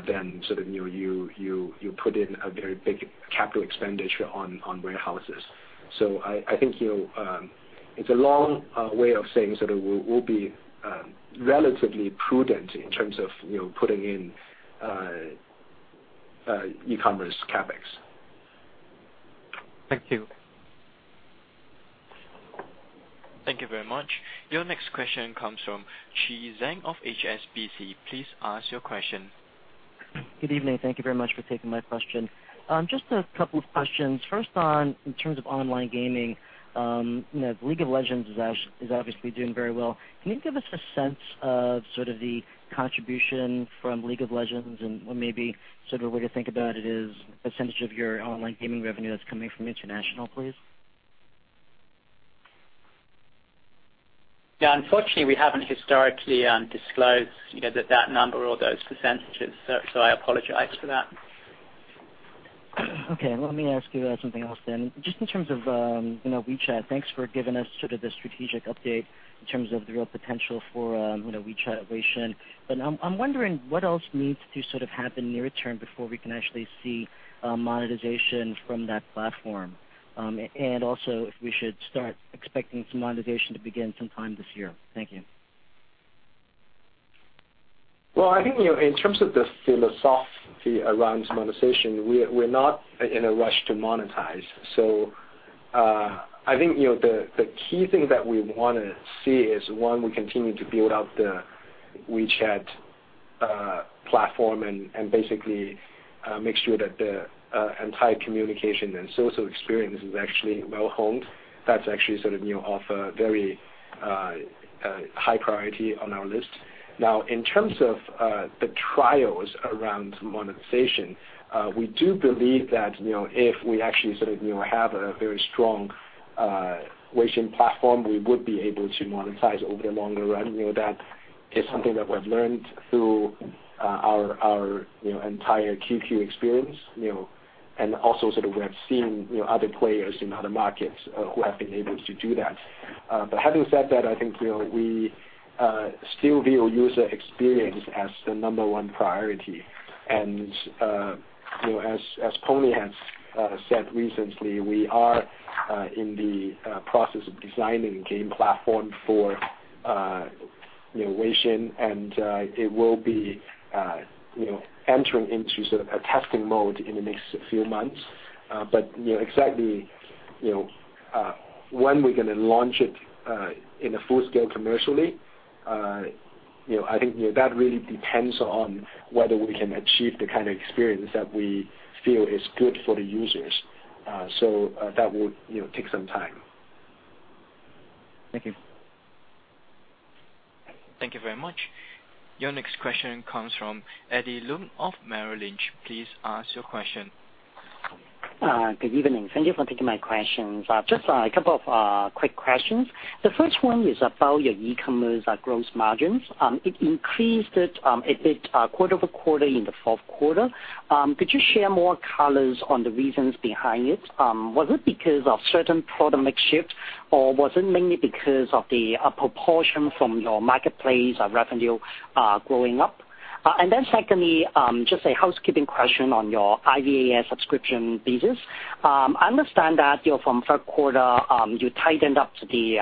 than you put in a very big capital expenditure on warehouses. I think, it's a long way of saying, we'll be relatively prudent in terms of putting in e-commerce CapEx. Thank you. Thank you very much. Your next question comes from Chi Tsang of HSBC. Please ask your question. Good evening. Thank you very much for taking my question. Just a couple of questions. First, in terms of online gaming, League of Legends is obviously doing very well. Can you give us a sense of sort of the contribution from League of Legends and maybe sort of a way to think about it is a percentage of your online gaming revenue that's coming from international, please? Yeah, unfortunately, we haven't historically disclosed that number or those percentages. I apologize for that. Okay. Let me ask you something else. Just in terms of WeChat, thanks for giving us sort of the strategic update in terms of the real potential for WeChat Weixin. I'm wondering what else needs to sort of happen near term before we can actually see monetization from that platform. Also if we should start expecting some monetization to begin some time this year. Thank you. Well, I think, in terms of the philosophy around monetization, we're not in a rush to monetize. I think, the key thing that we want to see is, one, we continue to build out the WeChat platform and basically make sure that the entire communication and social experience is actually well-honed. That's actually sort of our very high priority on our list. Now, in terms of the trials around monetization, we do believe that, if we actually sort of have a very strong Weixin platform, we would be able to monetize over the longer run. That is something that we've learned through our entire QQ experience, and also sort of we have seen other players in other markets who have been able to do that. Having said that, I think we still view user experience as the number one priority. As Pony has said recently, we are in the process of designing a game platform for innovation, and it will be entering into sort of a testing mode in the next few months. Exactly when we're going to launch it in a full scale commercially, I think that really depends on whether we can achieve the kind of experience that we feel is good for the users. That would take some time. Thank you. Thank you very much. Your next question comes from Eddie Leung of Merrill Lynch. Please ask your question. Good evening. Thank you for taking my questions. Just a couple of quick questions. The first one is about your e-commerce gross margins. It increased a bit quarter-over-quarter in the fourth quarter. Could you share more colors on the reasons behind it? Was it because of certain product mix shift or was it mainly because of the proportion from your marketplace revenue growing up? Secondly, just a housekeeping question on your IVAS subscription business. I understand that from third quarter, you tightened up the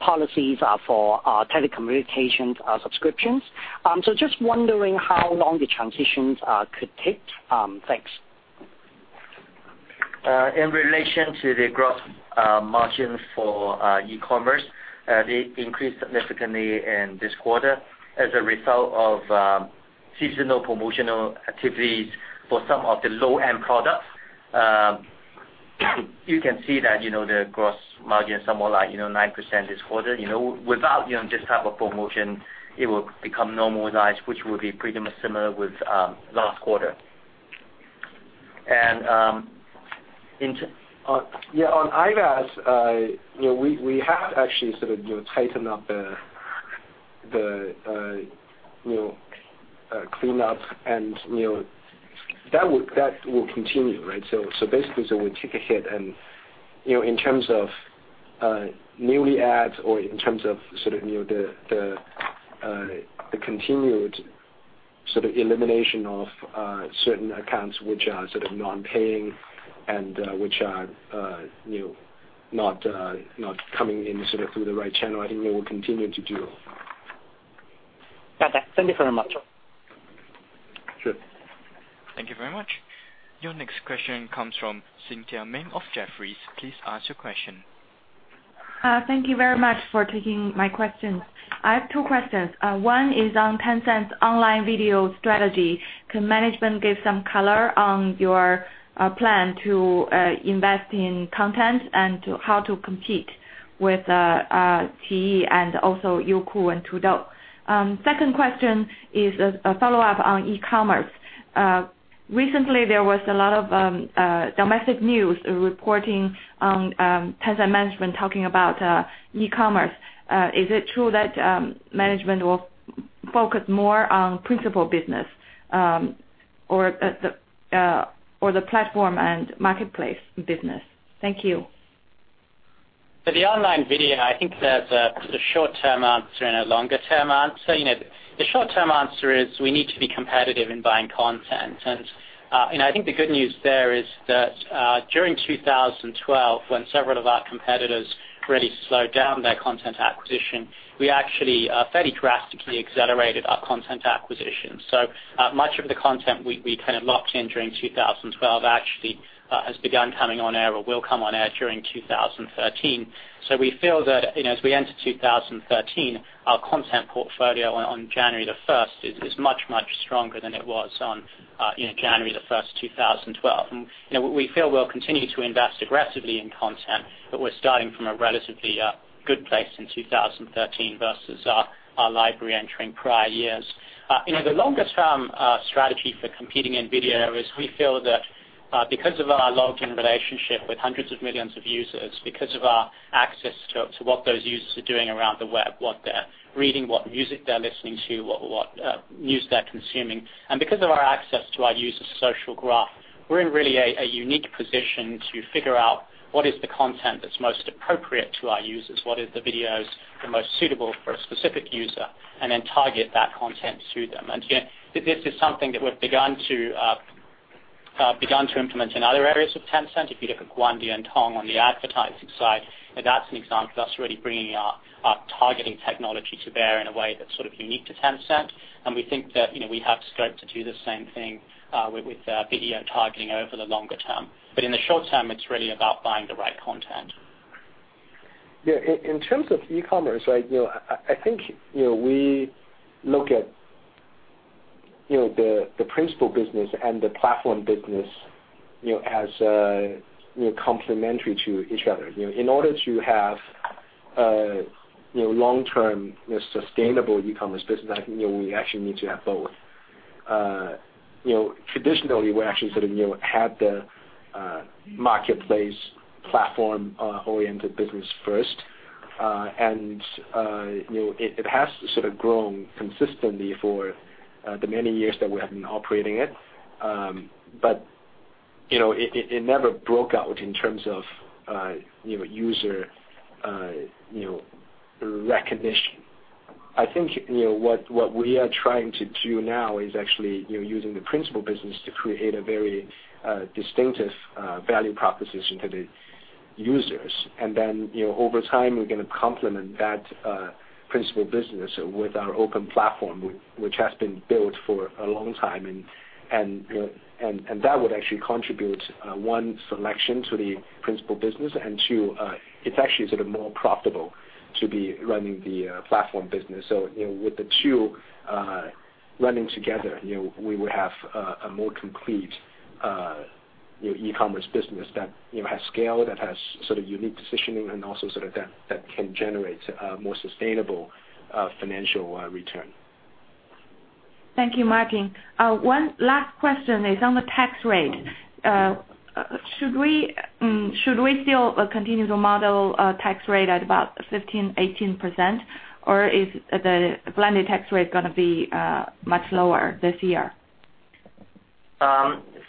policies for telecommunications subscriptions. Just wondering how long the transitions could take. Thanks. In relation to the gross margins for e-commerce, they increased significantly in this quarter as a result of seasonal promotional activities for some of the low-end products. You can see that the gross margin is somewhere like 9% this quarter. Without this type of promotion, it would become normalized, which would be pretty much similar with last quarter. Yeah. On IVAS, we have actually sort of tightened up the cleanup, and that will continue, right? Basically, we took a hit, and Newly adds or in terms of the continued elimination of certain accounts which are non-paying and which are not coming in through the right channel, I think we will continue to do. Got that. Thank you very much. Sure. Thank you very much. Your next question comes from Cynthia Meng of Jefferies. Please ask your question. Thank you very much for taking my questions. I have two questions. One is on Tencent's online video strategy. Can management give some color on your plan to invest in content and how to compete with [TE] and also Youku and Toutiao? Second question is a follow-up on e-commerce. Recently there was a lot of domestic news reporting on Tencent management talking about e-commerce. Is it true that management will focus more on principal business or the platform and marketplace business? Thank you. For the online video, I think there's a short-term answer and a longer-term answer. The short-term answer is we need to be competitive in buying content. I think the good news there is that during 2012, when several of our competitors really slowed down their content acquisition, we actually fairly drastically accelerated our content acquisition. Much of the content we kind of locked in during 2012 actually has begun coming on air or will come on air during 2013. We feel that as we enter 2013, our content portfolio on January the 1st is much, much stronger than it was on January the 1st, 2012. We feel we'll continue to invest aggressively in content, but we're starting from a relatively good place in 2013 versus our library entering prior years. The longest term strategy for competing in video is we feel that because of our logged in relationship with hundreds of millions of users, because of our access to what those users are doing around the web, what they're reading, what music they're listening to, what news they're consuming, and because of our access to our users' social graph, we're in really a unique position to figure out what is the content that's most appropriate to our users, what is the videos the most suitable for a specific user, and then target that content through them. This is something that we've begun to implement in other areas of Tencent. If you look at Guangdiantong on the advertising side, that's an example of us really bringing our targeting technology to bear in a way that's sort of unique to Tencent. We think that we have scope to do the same thing with video targeting over the longer term. In the short term, it's really about buying the right content. In terms of e-commerce, I think we look at the principal business and the platform business as complementary to each other. In order to have a long-term sustainable e-commerce business, I think we actually need to have both. Traditionally, we actually had the marketplace platform-oriented business first, it has sort of grown consistently for the many years that we have been operating it. It never broke out in terms of user recognition. I think what we are trying to do now is actually using the principal business to create a very distinctive value proposition to the users. Over time, we're going to complement that principal business with our open platform, which has been built for a long time, that would actually contribute one selection to the principal business and two, it's actually sort of more profitable to be running the platform business. With the two running together, we would have a more complete e-commerce business that has scale, that has sort of unique positioning and also that can generate a more sustainable financial return. Thank you, Martin. One last question is on the tax rate. Should we still continue to model tax rate at about 15%, 18%, or is the blended tax rate going to be much lower this year?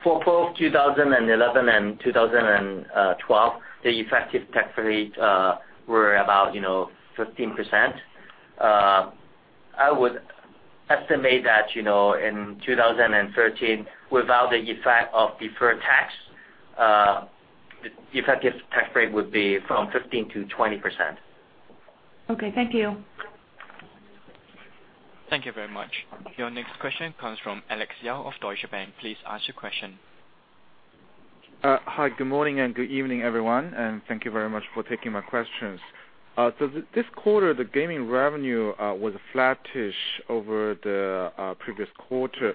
For both 2011 and 2012, the effective tax rate were about 15%. I would estimate that in 2013, without the effect of deferred tax, the effective tax rate would be from 15%-20%. Okay. Thank you. Thank you very much. Your next question comes from Alex Yao of Deutsche Bank. Please ask your question. Hi, good morning and good evening, everyone, and thank you very much for taking my questions. This quarter, the gaming revenue was flattish over the previous quarter.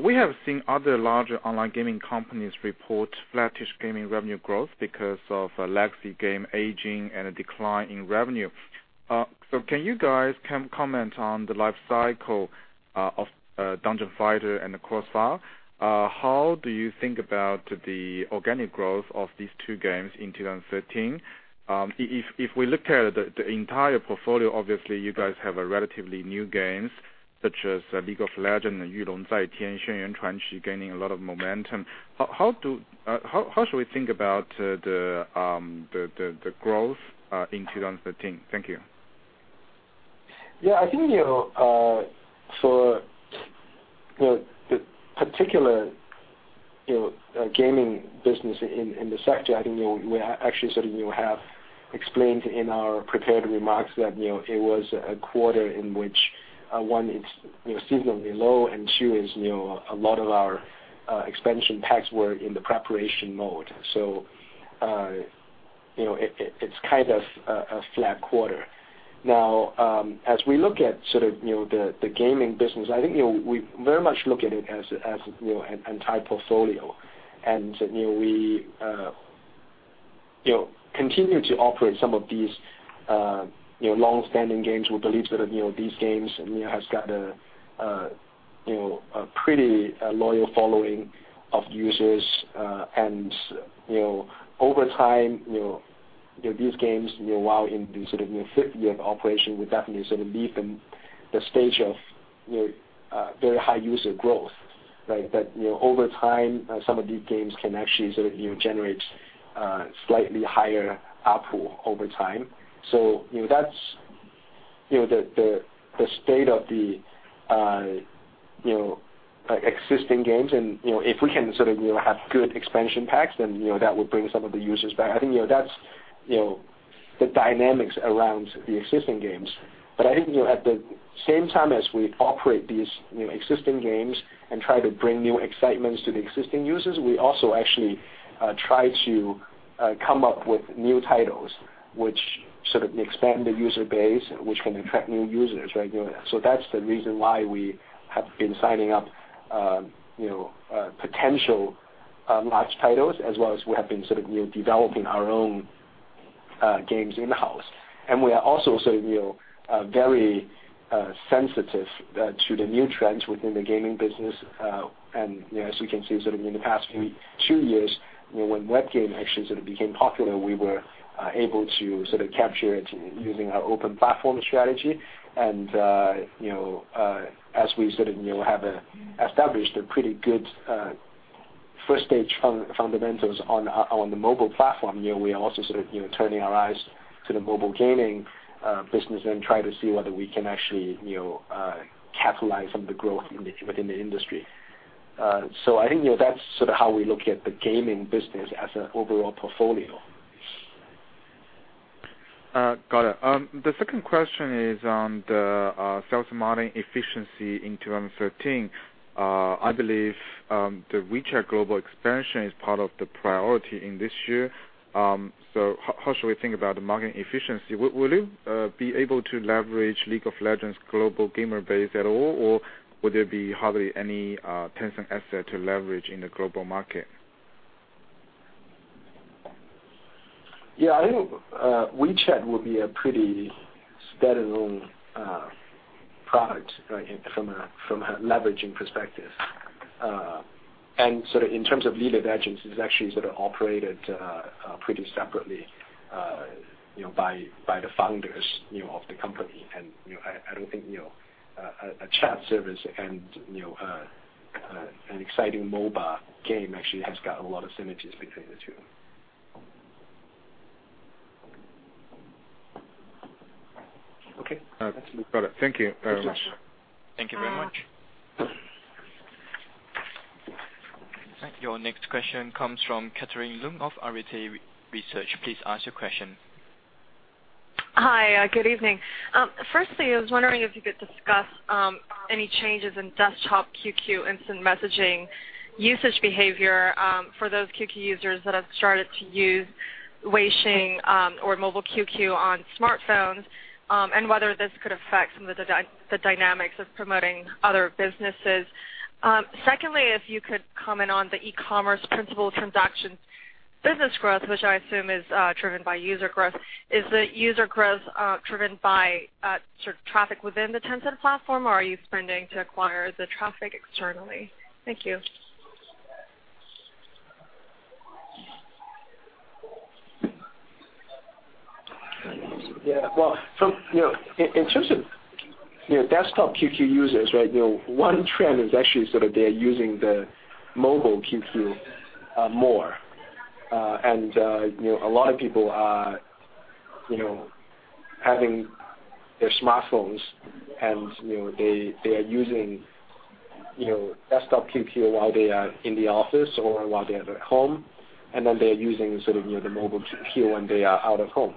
We have seen other larger online gaming companies report flattish gaming revenue growth because of a legacy game aging and a decline in revenue. Can you guys comment on the life cycle of Dungeon Fighter and CrossFire? How do you think about the organic growth of these two games in 2013? If we look at the entire portfolio, obviously you guys have relatively new games such as League of Legends and 御龙在天, 轩辕传奇 gaining a lot of momentum. How should we think about the growth in 2013? Thank you. Yeah, I think for the particular gaming business in the sector, I think we actually have explained in our prepared remarks that it was a quarter in which, one, it's seasonally low, and two, a lot of our expansion packs were in the preparation mode. It's kind of a flat quarter. As we look at the gaming business, I think we very much look at it as an entire portfolio. We continue to operate some of these long-standing games. We believe these games have got a pretty loyal following of users. Over time, these games, while in the fifth year of operation, would definitely leave the stage of very high user growth. Over time, some of these games can actually generate slightly higher ARPU over time. That's the state of the existing games. If we can have good expansion packs, that would bring some of the users back. I think that's the dynamics around the existing games. I think at the same time as we operate these existing games and try to bring new excitements to the existing users, we also actually try to come up with new titles, which expand the user base, which can attract new users. That's the reason why we have been signing up potential large titles, as well as we have been developing our own games in-house. We are also very sensitive to the new trends within the gaming business. As you can see, in the past two years, when web game actually became popular, we were able to capture it using our open platform strategy. As we have established a pretty good first stage fundamentals on the mobile platform, we are also turning our eyes to the mobile gaming business and try to see whether we can actually capitalize on the growth within the industry. I think that's how we look at the gaming business as an overall portfolio. Got it. The second question is on the sales margin efficiency in 2013. I believe the WeChat global expansion is part of the priority in this year. How should we think about the margin efficiency? Will you be able to leverage League of Legends' global gamer base at all, or would there be hardly any Tencent asset to leverage in the global market? Yeah, I think WeChat would be a pretty stand-alone product from a leveraging perspective. In terms of League of Legends, it's actually operated pretty separately by the founders of the company. I don't think a chat service and an exciting mobile game actually has got a lot of synergies between the two. Okay. Got it. Thank you very much. Thank you so much. Thank you very much. Your next question comes from Catherine Leung of Arete Research. Please ask your question. Hi, good evening. Firstly, I was wondering if you could discuss any changes in desktop QQ instant messaging usage behavior for those QQ users that have started to use Weixin or Mobile QQ on smartphones, and whether this could affect some of the dynamics of promoting other businesses. Secondly, if you could comment on the e-commerce principal transaction business growth, which I assume is driven by user growth. Is the user growth driven by traffic within the Tencent platform, or are you spending to acquire the traffic externally? Thank you. Yeah. Well, in terms of desktop QQ users, one trend is actually they're using the Mobile QQ more. A lot of people are having their smartphones, and they are using desktop QQ while they are in the office or while they are at home, and then they are using the Mobile QQ when they are out of home.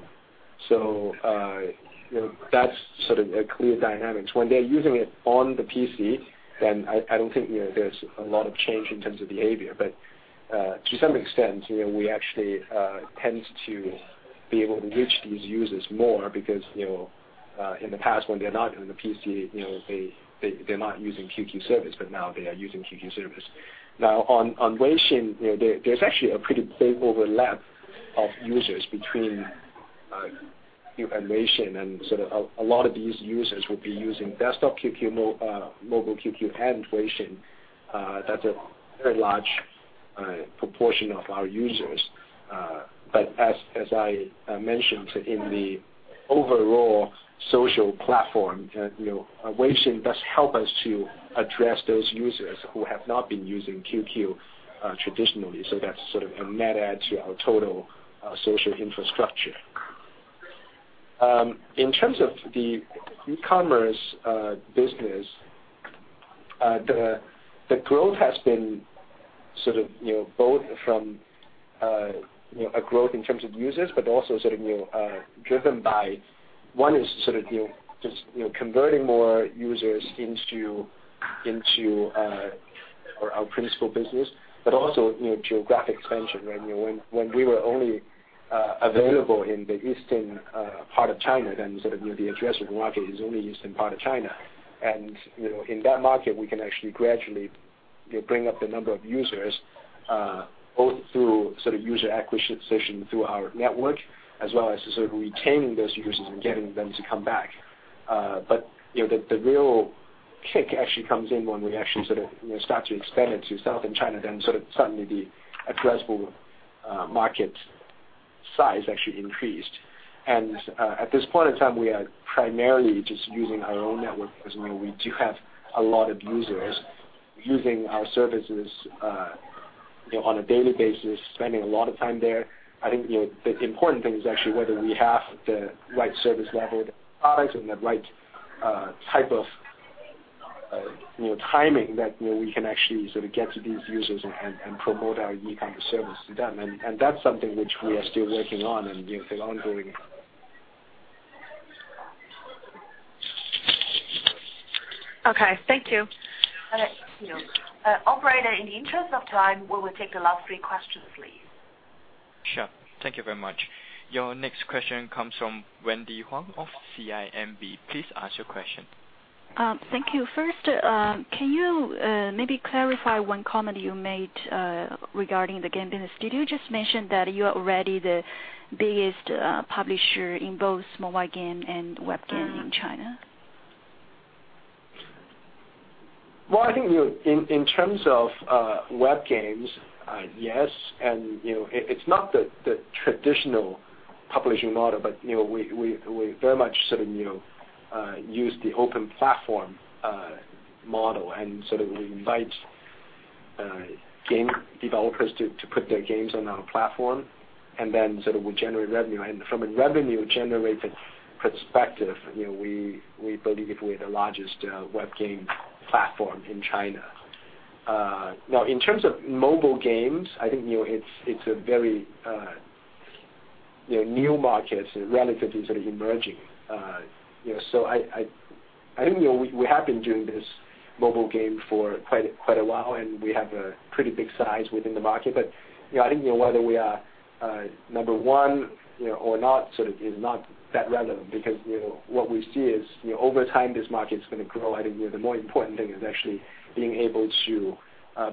That's a clear dynamic. When they're using it on the PC, I don't think there's a lot of change in terms of behavior. To some extent, we actually tend to be able to reach these users more because, in the past, when they're not on the PC, they're not using QQ service, but now they are using QQ service. Now, on Weixin, there's actually a pretty big overlap of users between QQ and Weixin. A lot of these users will be using desktop QQ, Mobile QQ, and Weixin. That's a very large proportion of our users. As I mentioned, in the overall social platform, Weixin does help us to address those users who have not been using QQ traditionally. That's a net add to our total social infrastructure. In terms of the e-commerce business, the growth has been both from a growth in terms of users, but also driven by converting more users into our principal business, but also geographic expansion. When we were only available in the eastern part of China, the addressable market is only the eastern part of China. In that market, we can actually gradually bring up the number of users, both through user acquisition through our network, as well as retaining those users and getting them to come back. The real kick actually comes in when we actually start to expand it to Southern China, suddenly the addressable market size actually increased. At this point in time, we are primarily just using our own network because we do have a lot of users using our services on a daily basis, spending a lot of time there. I think the important thing is actually whether we have the right service level, the products, and the right type of timing that we can actually get to these users and promote our e-commerce service to them, and that's something which we are still working on. Okay. Thank you. Operator, in the interest of time, we will take the last three questions, please. Sure. Thank you very much. Your next question comes from Wendy Huang of CIMB. Please ask your question. Thank you. First, can you maybe clarify one comment you made regarding the game business? Did you just mention that you are already the biggest publisher in both mobile game and web game in China? I think in terms of web games, yes. It's not the traditional publishing model, but we very much use the open platform model. We invite game developers to put their games on our platform, and then we generate revenue. From a revenue generation perspective, we believe we're the largest web game platform in China. In terms of mobile games, I think it's a very new market, relatively emerging. I think we have been doing this mobile game for quite a while, and we have a pretty big size within the market. I think whether we are number one or not is not that relevant, because what we see is, over time, this market's going to grow. I think the more important thing is actually being able to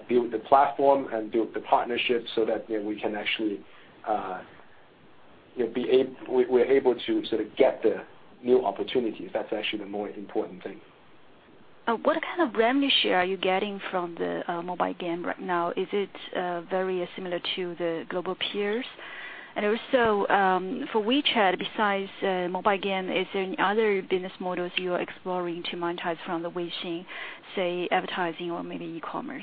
build the platform and build the partnerships so that we're able to get the new opportunities. That's actually the more important thing. What kind of revenue share are you getting from the mobile game right now? Is it very similar to the global peers? Also, for WeChat, besides mobile game, is there any other business models you are exploring to monetize from the Weixin, say, advertising or maybe e-commerce?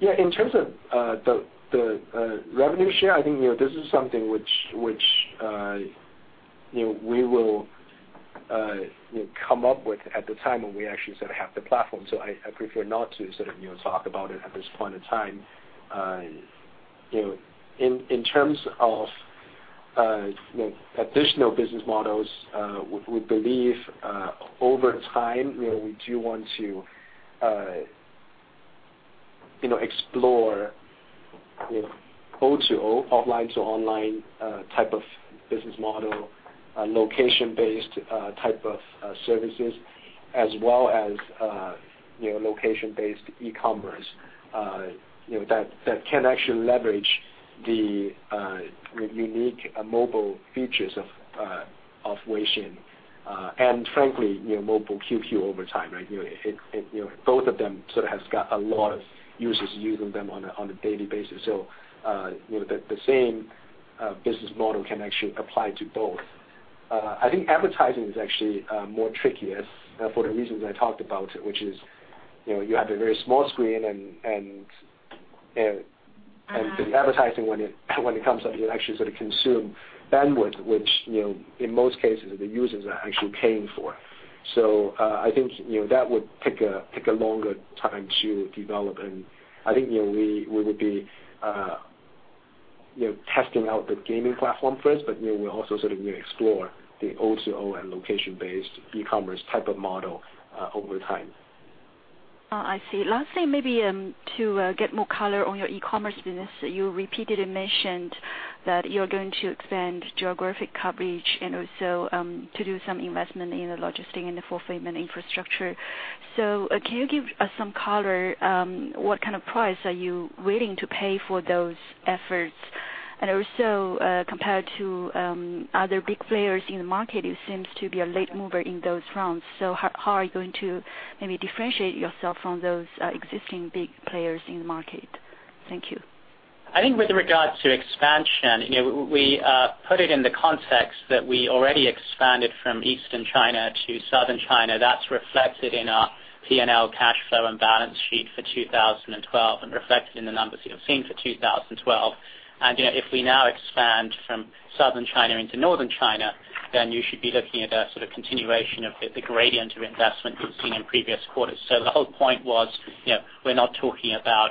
In terms of the revenue share, I think this is something which we will come up with at the time when we actually have the platform. I prefer not to talk about it at this point in time. In terms of additional business models, we believe, over time, we do want to explore O2O, offline to online, type of business model, location-based type of services, as well as location-based e-commerce, that can actually leverage the unique mobile features of Weixin. Frankly, Mobile QQ over time, right? Both of them have got a lot of users using them on a daily basis. The same business model can actually apply to both. I think advertising is actually more trickier for the reasons I talked about, which is, you have a very small screen, and the advertising, when it comes up, it actually consume bandwidth, which, in most cases, the users are actually paying for. I think that would take a longer time to develop, and I think we would be testing out the gaming platform first, but we'll also explore the O2O and location-based e-commerce type of model over time. Oh, I see. Last thing, maybe to get more color on your e-commerce business. You repeatedly mentioned that you're going to expand geographic coverage, and also to do some investment in the logistics and the fulfillment infrastructure. Can you give us some color, what kind of price are you willing to pay for those efforts? Also, compared to other big players in the market, you seem to be a late mover in those fronts. How are you going to maybe differentiate yourself from those existing big players in the market? Thank you. I think with regard to expansion, we put it in the context that we already expanded from Eastern China to Southern China. That's reflected in our P&L cash flow and balance sheet for 2012 and reflected in the numbers you've seen for 2012. If we now expand from Southern China into Northern China, you should be looking at a sort of continuation of the gradient of investment we've seen in previous quarters. The whole point was, we're not talking about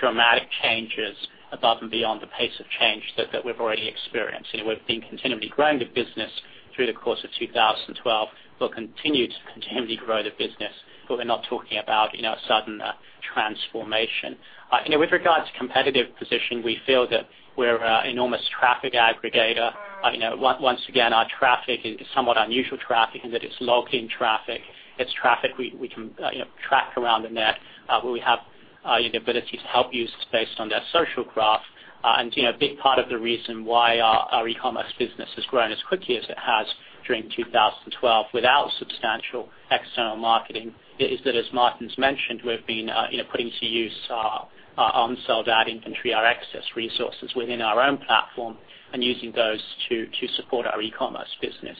dramatic changes above and beyond the pace of change that we've already experienced. We've been continually growing the business through the course of 2012. We'll continue to continually grow the business, we're not talking about a sudden transformation. With regards to competitive position, we feel that we're enormous traffic aggregator. Once again, our traffic is somewhat unusual traffic in that it's logged-in traffic. It's traffic we can track around the net, where we have the ability to help users based on their social graph. A big part of the reason why our e-commerce business has grown as quickly as it has during 2012 without substantial external marketing is that, as Martin's mentioned, we've been putting to use our unsold ad inventory, our excess resources within our own platform and using those to support our e-commerce business.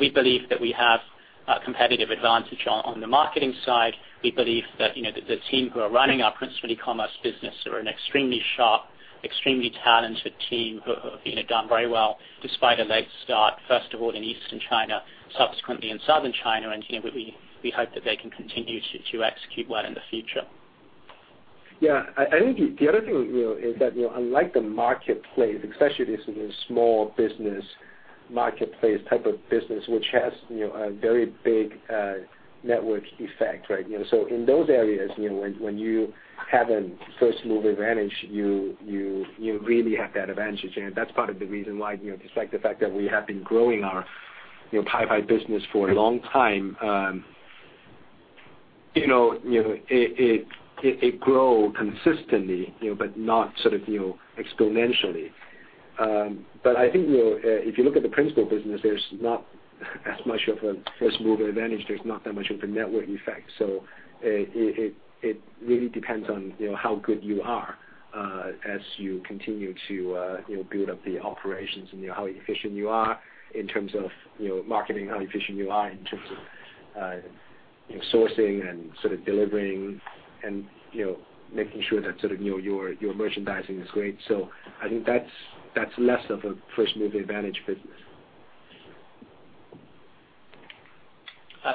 We believe that we have a competitive advantage on the marketing side. We believe that the team who are running our principal e-commerce business are an extremely sharp, extremely talented team who have done very well despite a late start, first of all, in Eastern China, subsequently in Southern China. We hope that they can continue to execute well in the future. Yeah. I think the other thing is that unlike the marketplace, especially this small business marketplace type of business, which has a very big network effect. In those areas, when you have a first-mover advantage, you really have that advantage. That's part of the reason why, despite the fact that we have been growing our Paipai business for a long time, it grow consistently but not sort of exponentially. I think if you look at the principal business, there's not as much of a first-mover advantage. There's not that much of a network effect. It really depends on how good you are as you continue to build up the operations and how efficient you are in terms of marketing, how efficient you are in terms of sourcing and sort of delivering and making sure that sort of your merchandising is great. I think that's less of a first-mover advantage business.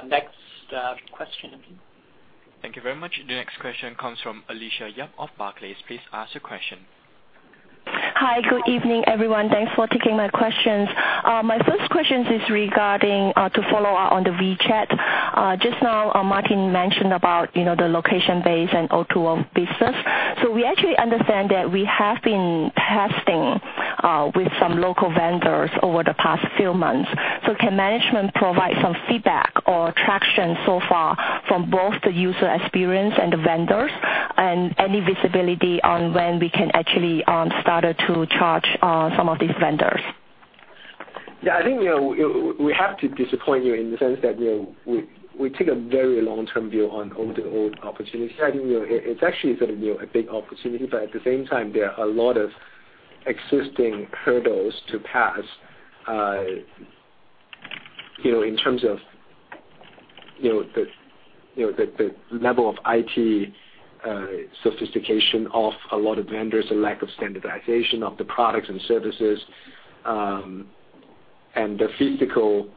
Next question. Thank you very much. The next question comes from Alicia Yap of Barclays. Please ask your question. Hi. Good evening, everyone. Thanks for taking my questions. My first question is regarding to follow up on the WeChat. Just now, Martin mentioned about the location-based and O2O business. We actually understand that we have been testing with some local vendors over the past few months. Can management provide some feedback or traction so far from both the user experience and the vendors, and any visibility on when we can actually started to charge some of these vendors? I think we have to disappoint you in the sense that we take a very long-term view on O2O opportunity. I think it's actually sort of a big opportunity, but at the same time, there are a lot of existing hurdles to pass, in terms of the level of IT sophistication of a lot of vendors, the lack of standardization of the products and services, and the physical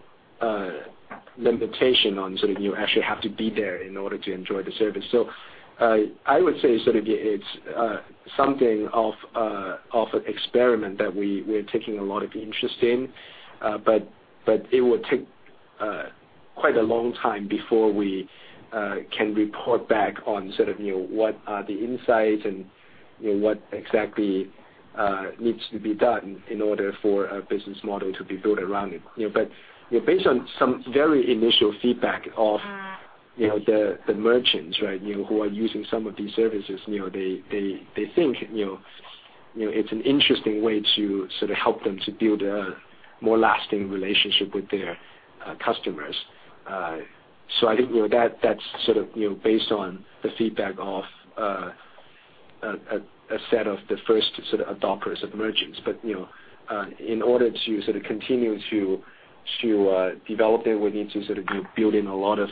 limitation on sort of you actually have to be there in order to enjoy the service. I would say sort of it's something of an experiment that we're taking a lot of interest in. It would take quite a long time before we can report back on sort of what are the insights and what exactly needs to be done in order for a business model to be built around it. Based on some very initial feedback of the merchants who are using some of these services, they think it's an interesting way to sort of help them to build a more lasting relationship with their customers. I think that's sort of based on the feedback of a set of the first sort of adopters of merchants. In order to sort of continue to develop it, we need to sort of build in a lot of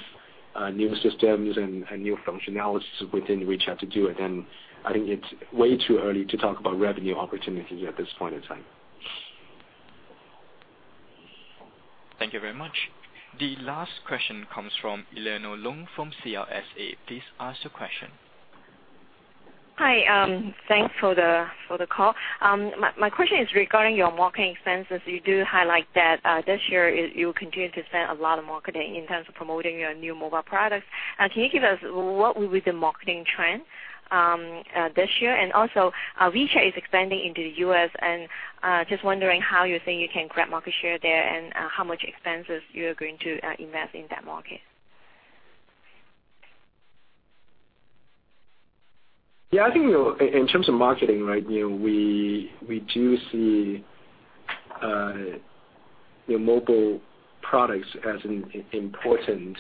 new systems and new functionalities within WeChat to do it. I think it's way too early to talk about revenue opportunities at this point in time. Thank you very much. The last question comes from Elinor Leung from CLSA. Please ask your question. Hi. Thanks for the call. My question is regarding your marketing expenses. You do highlight that this year you will continue to spend a lot of marketing in terms of promoting your new mobile products. Can you give us what will be the marketing trend this year? WeChat is expanding into the U.S., and just wondering how you think you can grab market share there and how much expenses you're going to invest in that market. I think in terms of marketing, we do see mobile products as an important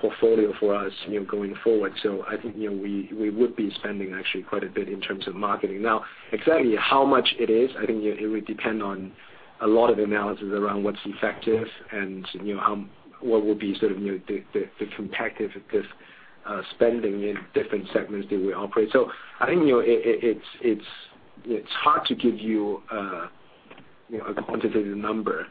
portfolio for us going forward. I think we would be spending actually quite a bit in terms of marketing. Exactly how much it is, I think it would depend on a lot of analysis around what's effective and what will be the competitive spending in different segments that we operate. I think it's hard to give you a quantitative number.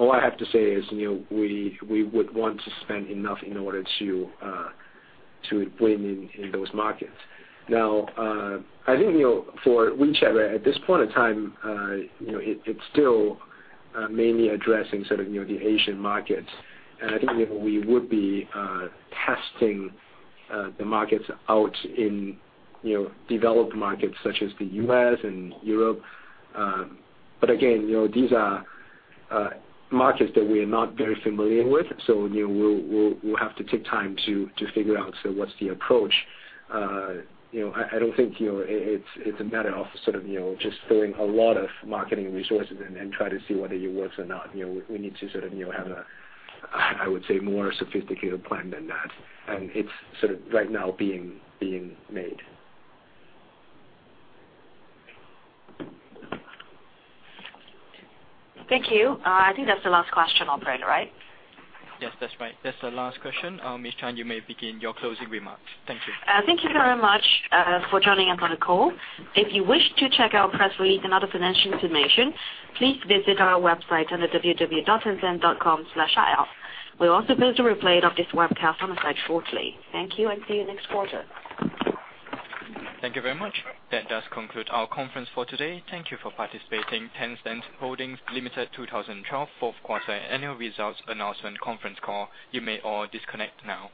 All I have to say is, we would want to spend enough in order to win in those markets. I think for WeChat, at this point of time, it's still mainly addressing the Asian market. I think we would be testing the markets out in developed markets such as the U.S. and Europe. Again, these are markets that we are not very familiar with, so we'll have to take time to figure out what's the approach. I don't think it's a matter of just throwing a lot of marketing resources in and try to see whether it works or not. We need to have, I would say, a more sophisticated plan than that. It's right now being made. Thank you. I think that's the last question, Operator, right? Yes, that's right. That's the last question. Ms. Chan, you may begin your closing remarks. Thank you. Thank you very much for joining us on the call. If you wish to check our press release and other financial information, please visit our website on the www.tencent.com/ir. We'll also post a replay of this webcast on the site shortly. Thank you and see you next quarter. Thank you very much. That does conclude our conference for today. Thank you for participating. Tencent Holdings Limited 2012 fourth quarter annual results announcement conference call. You may all disconnect now.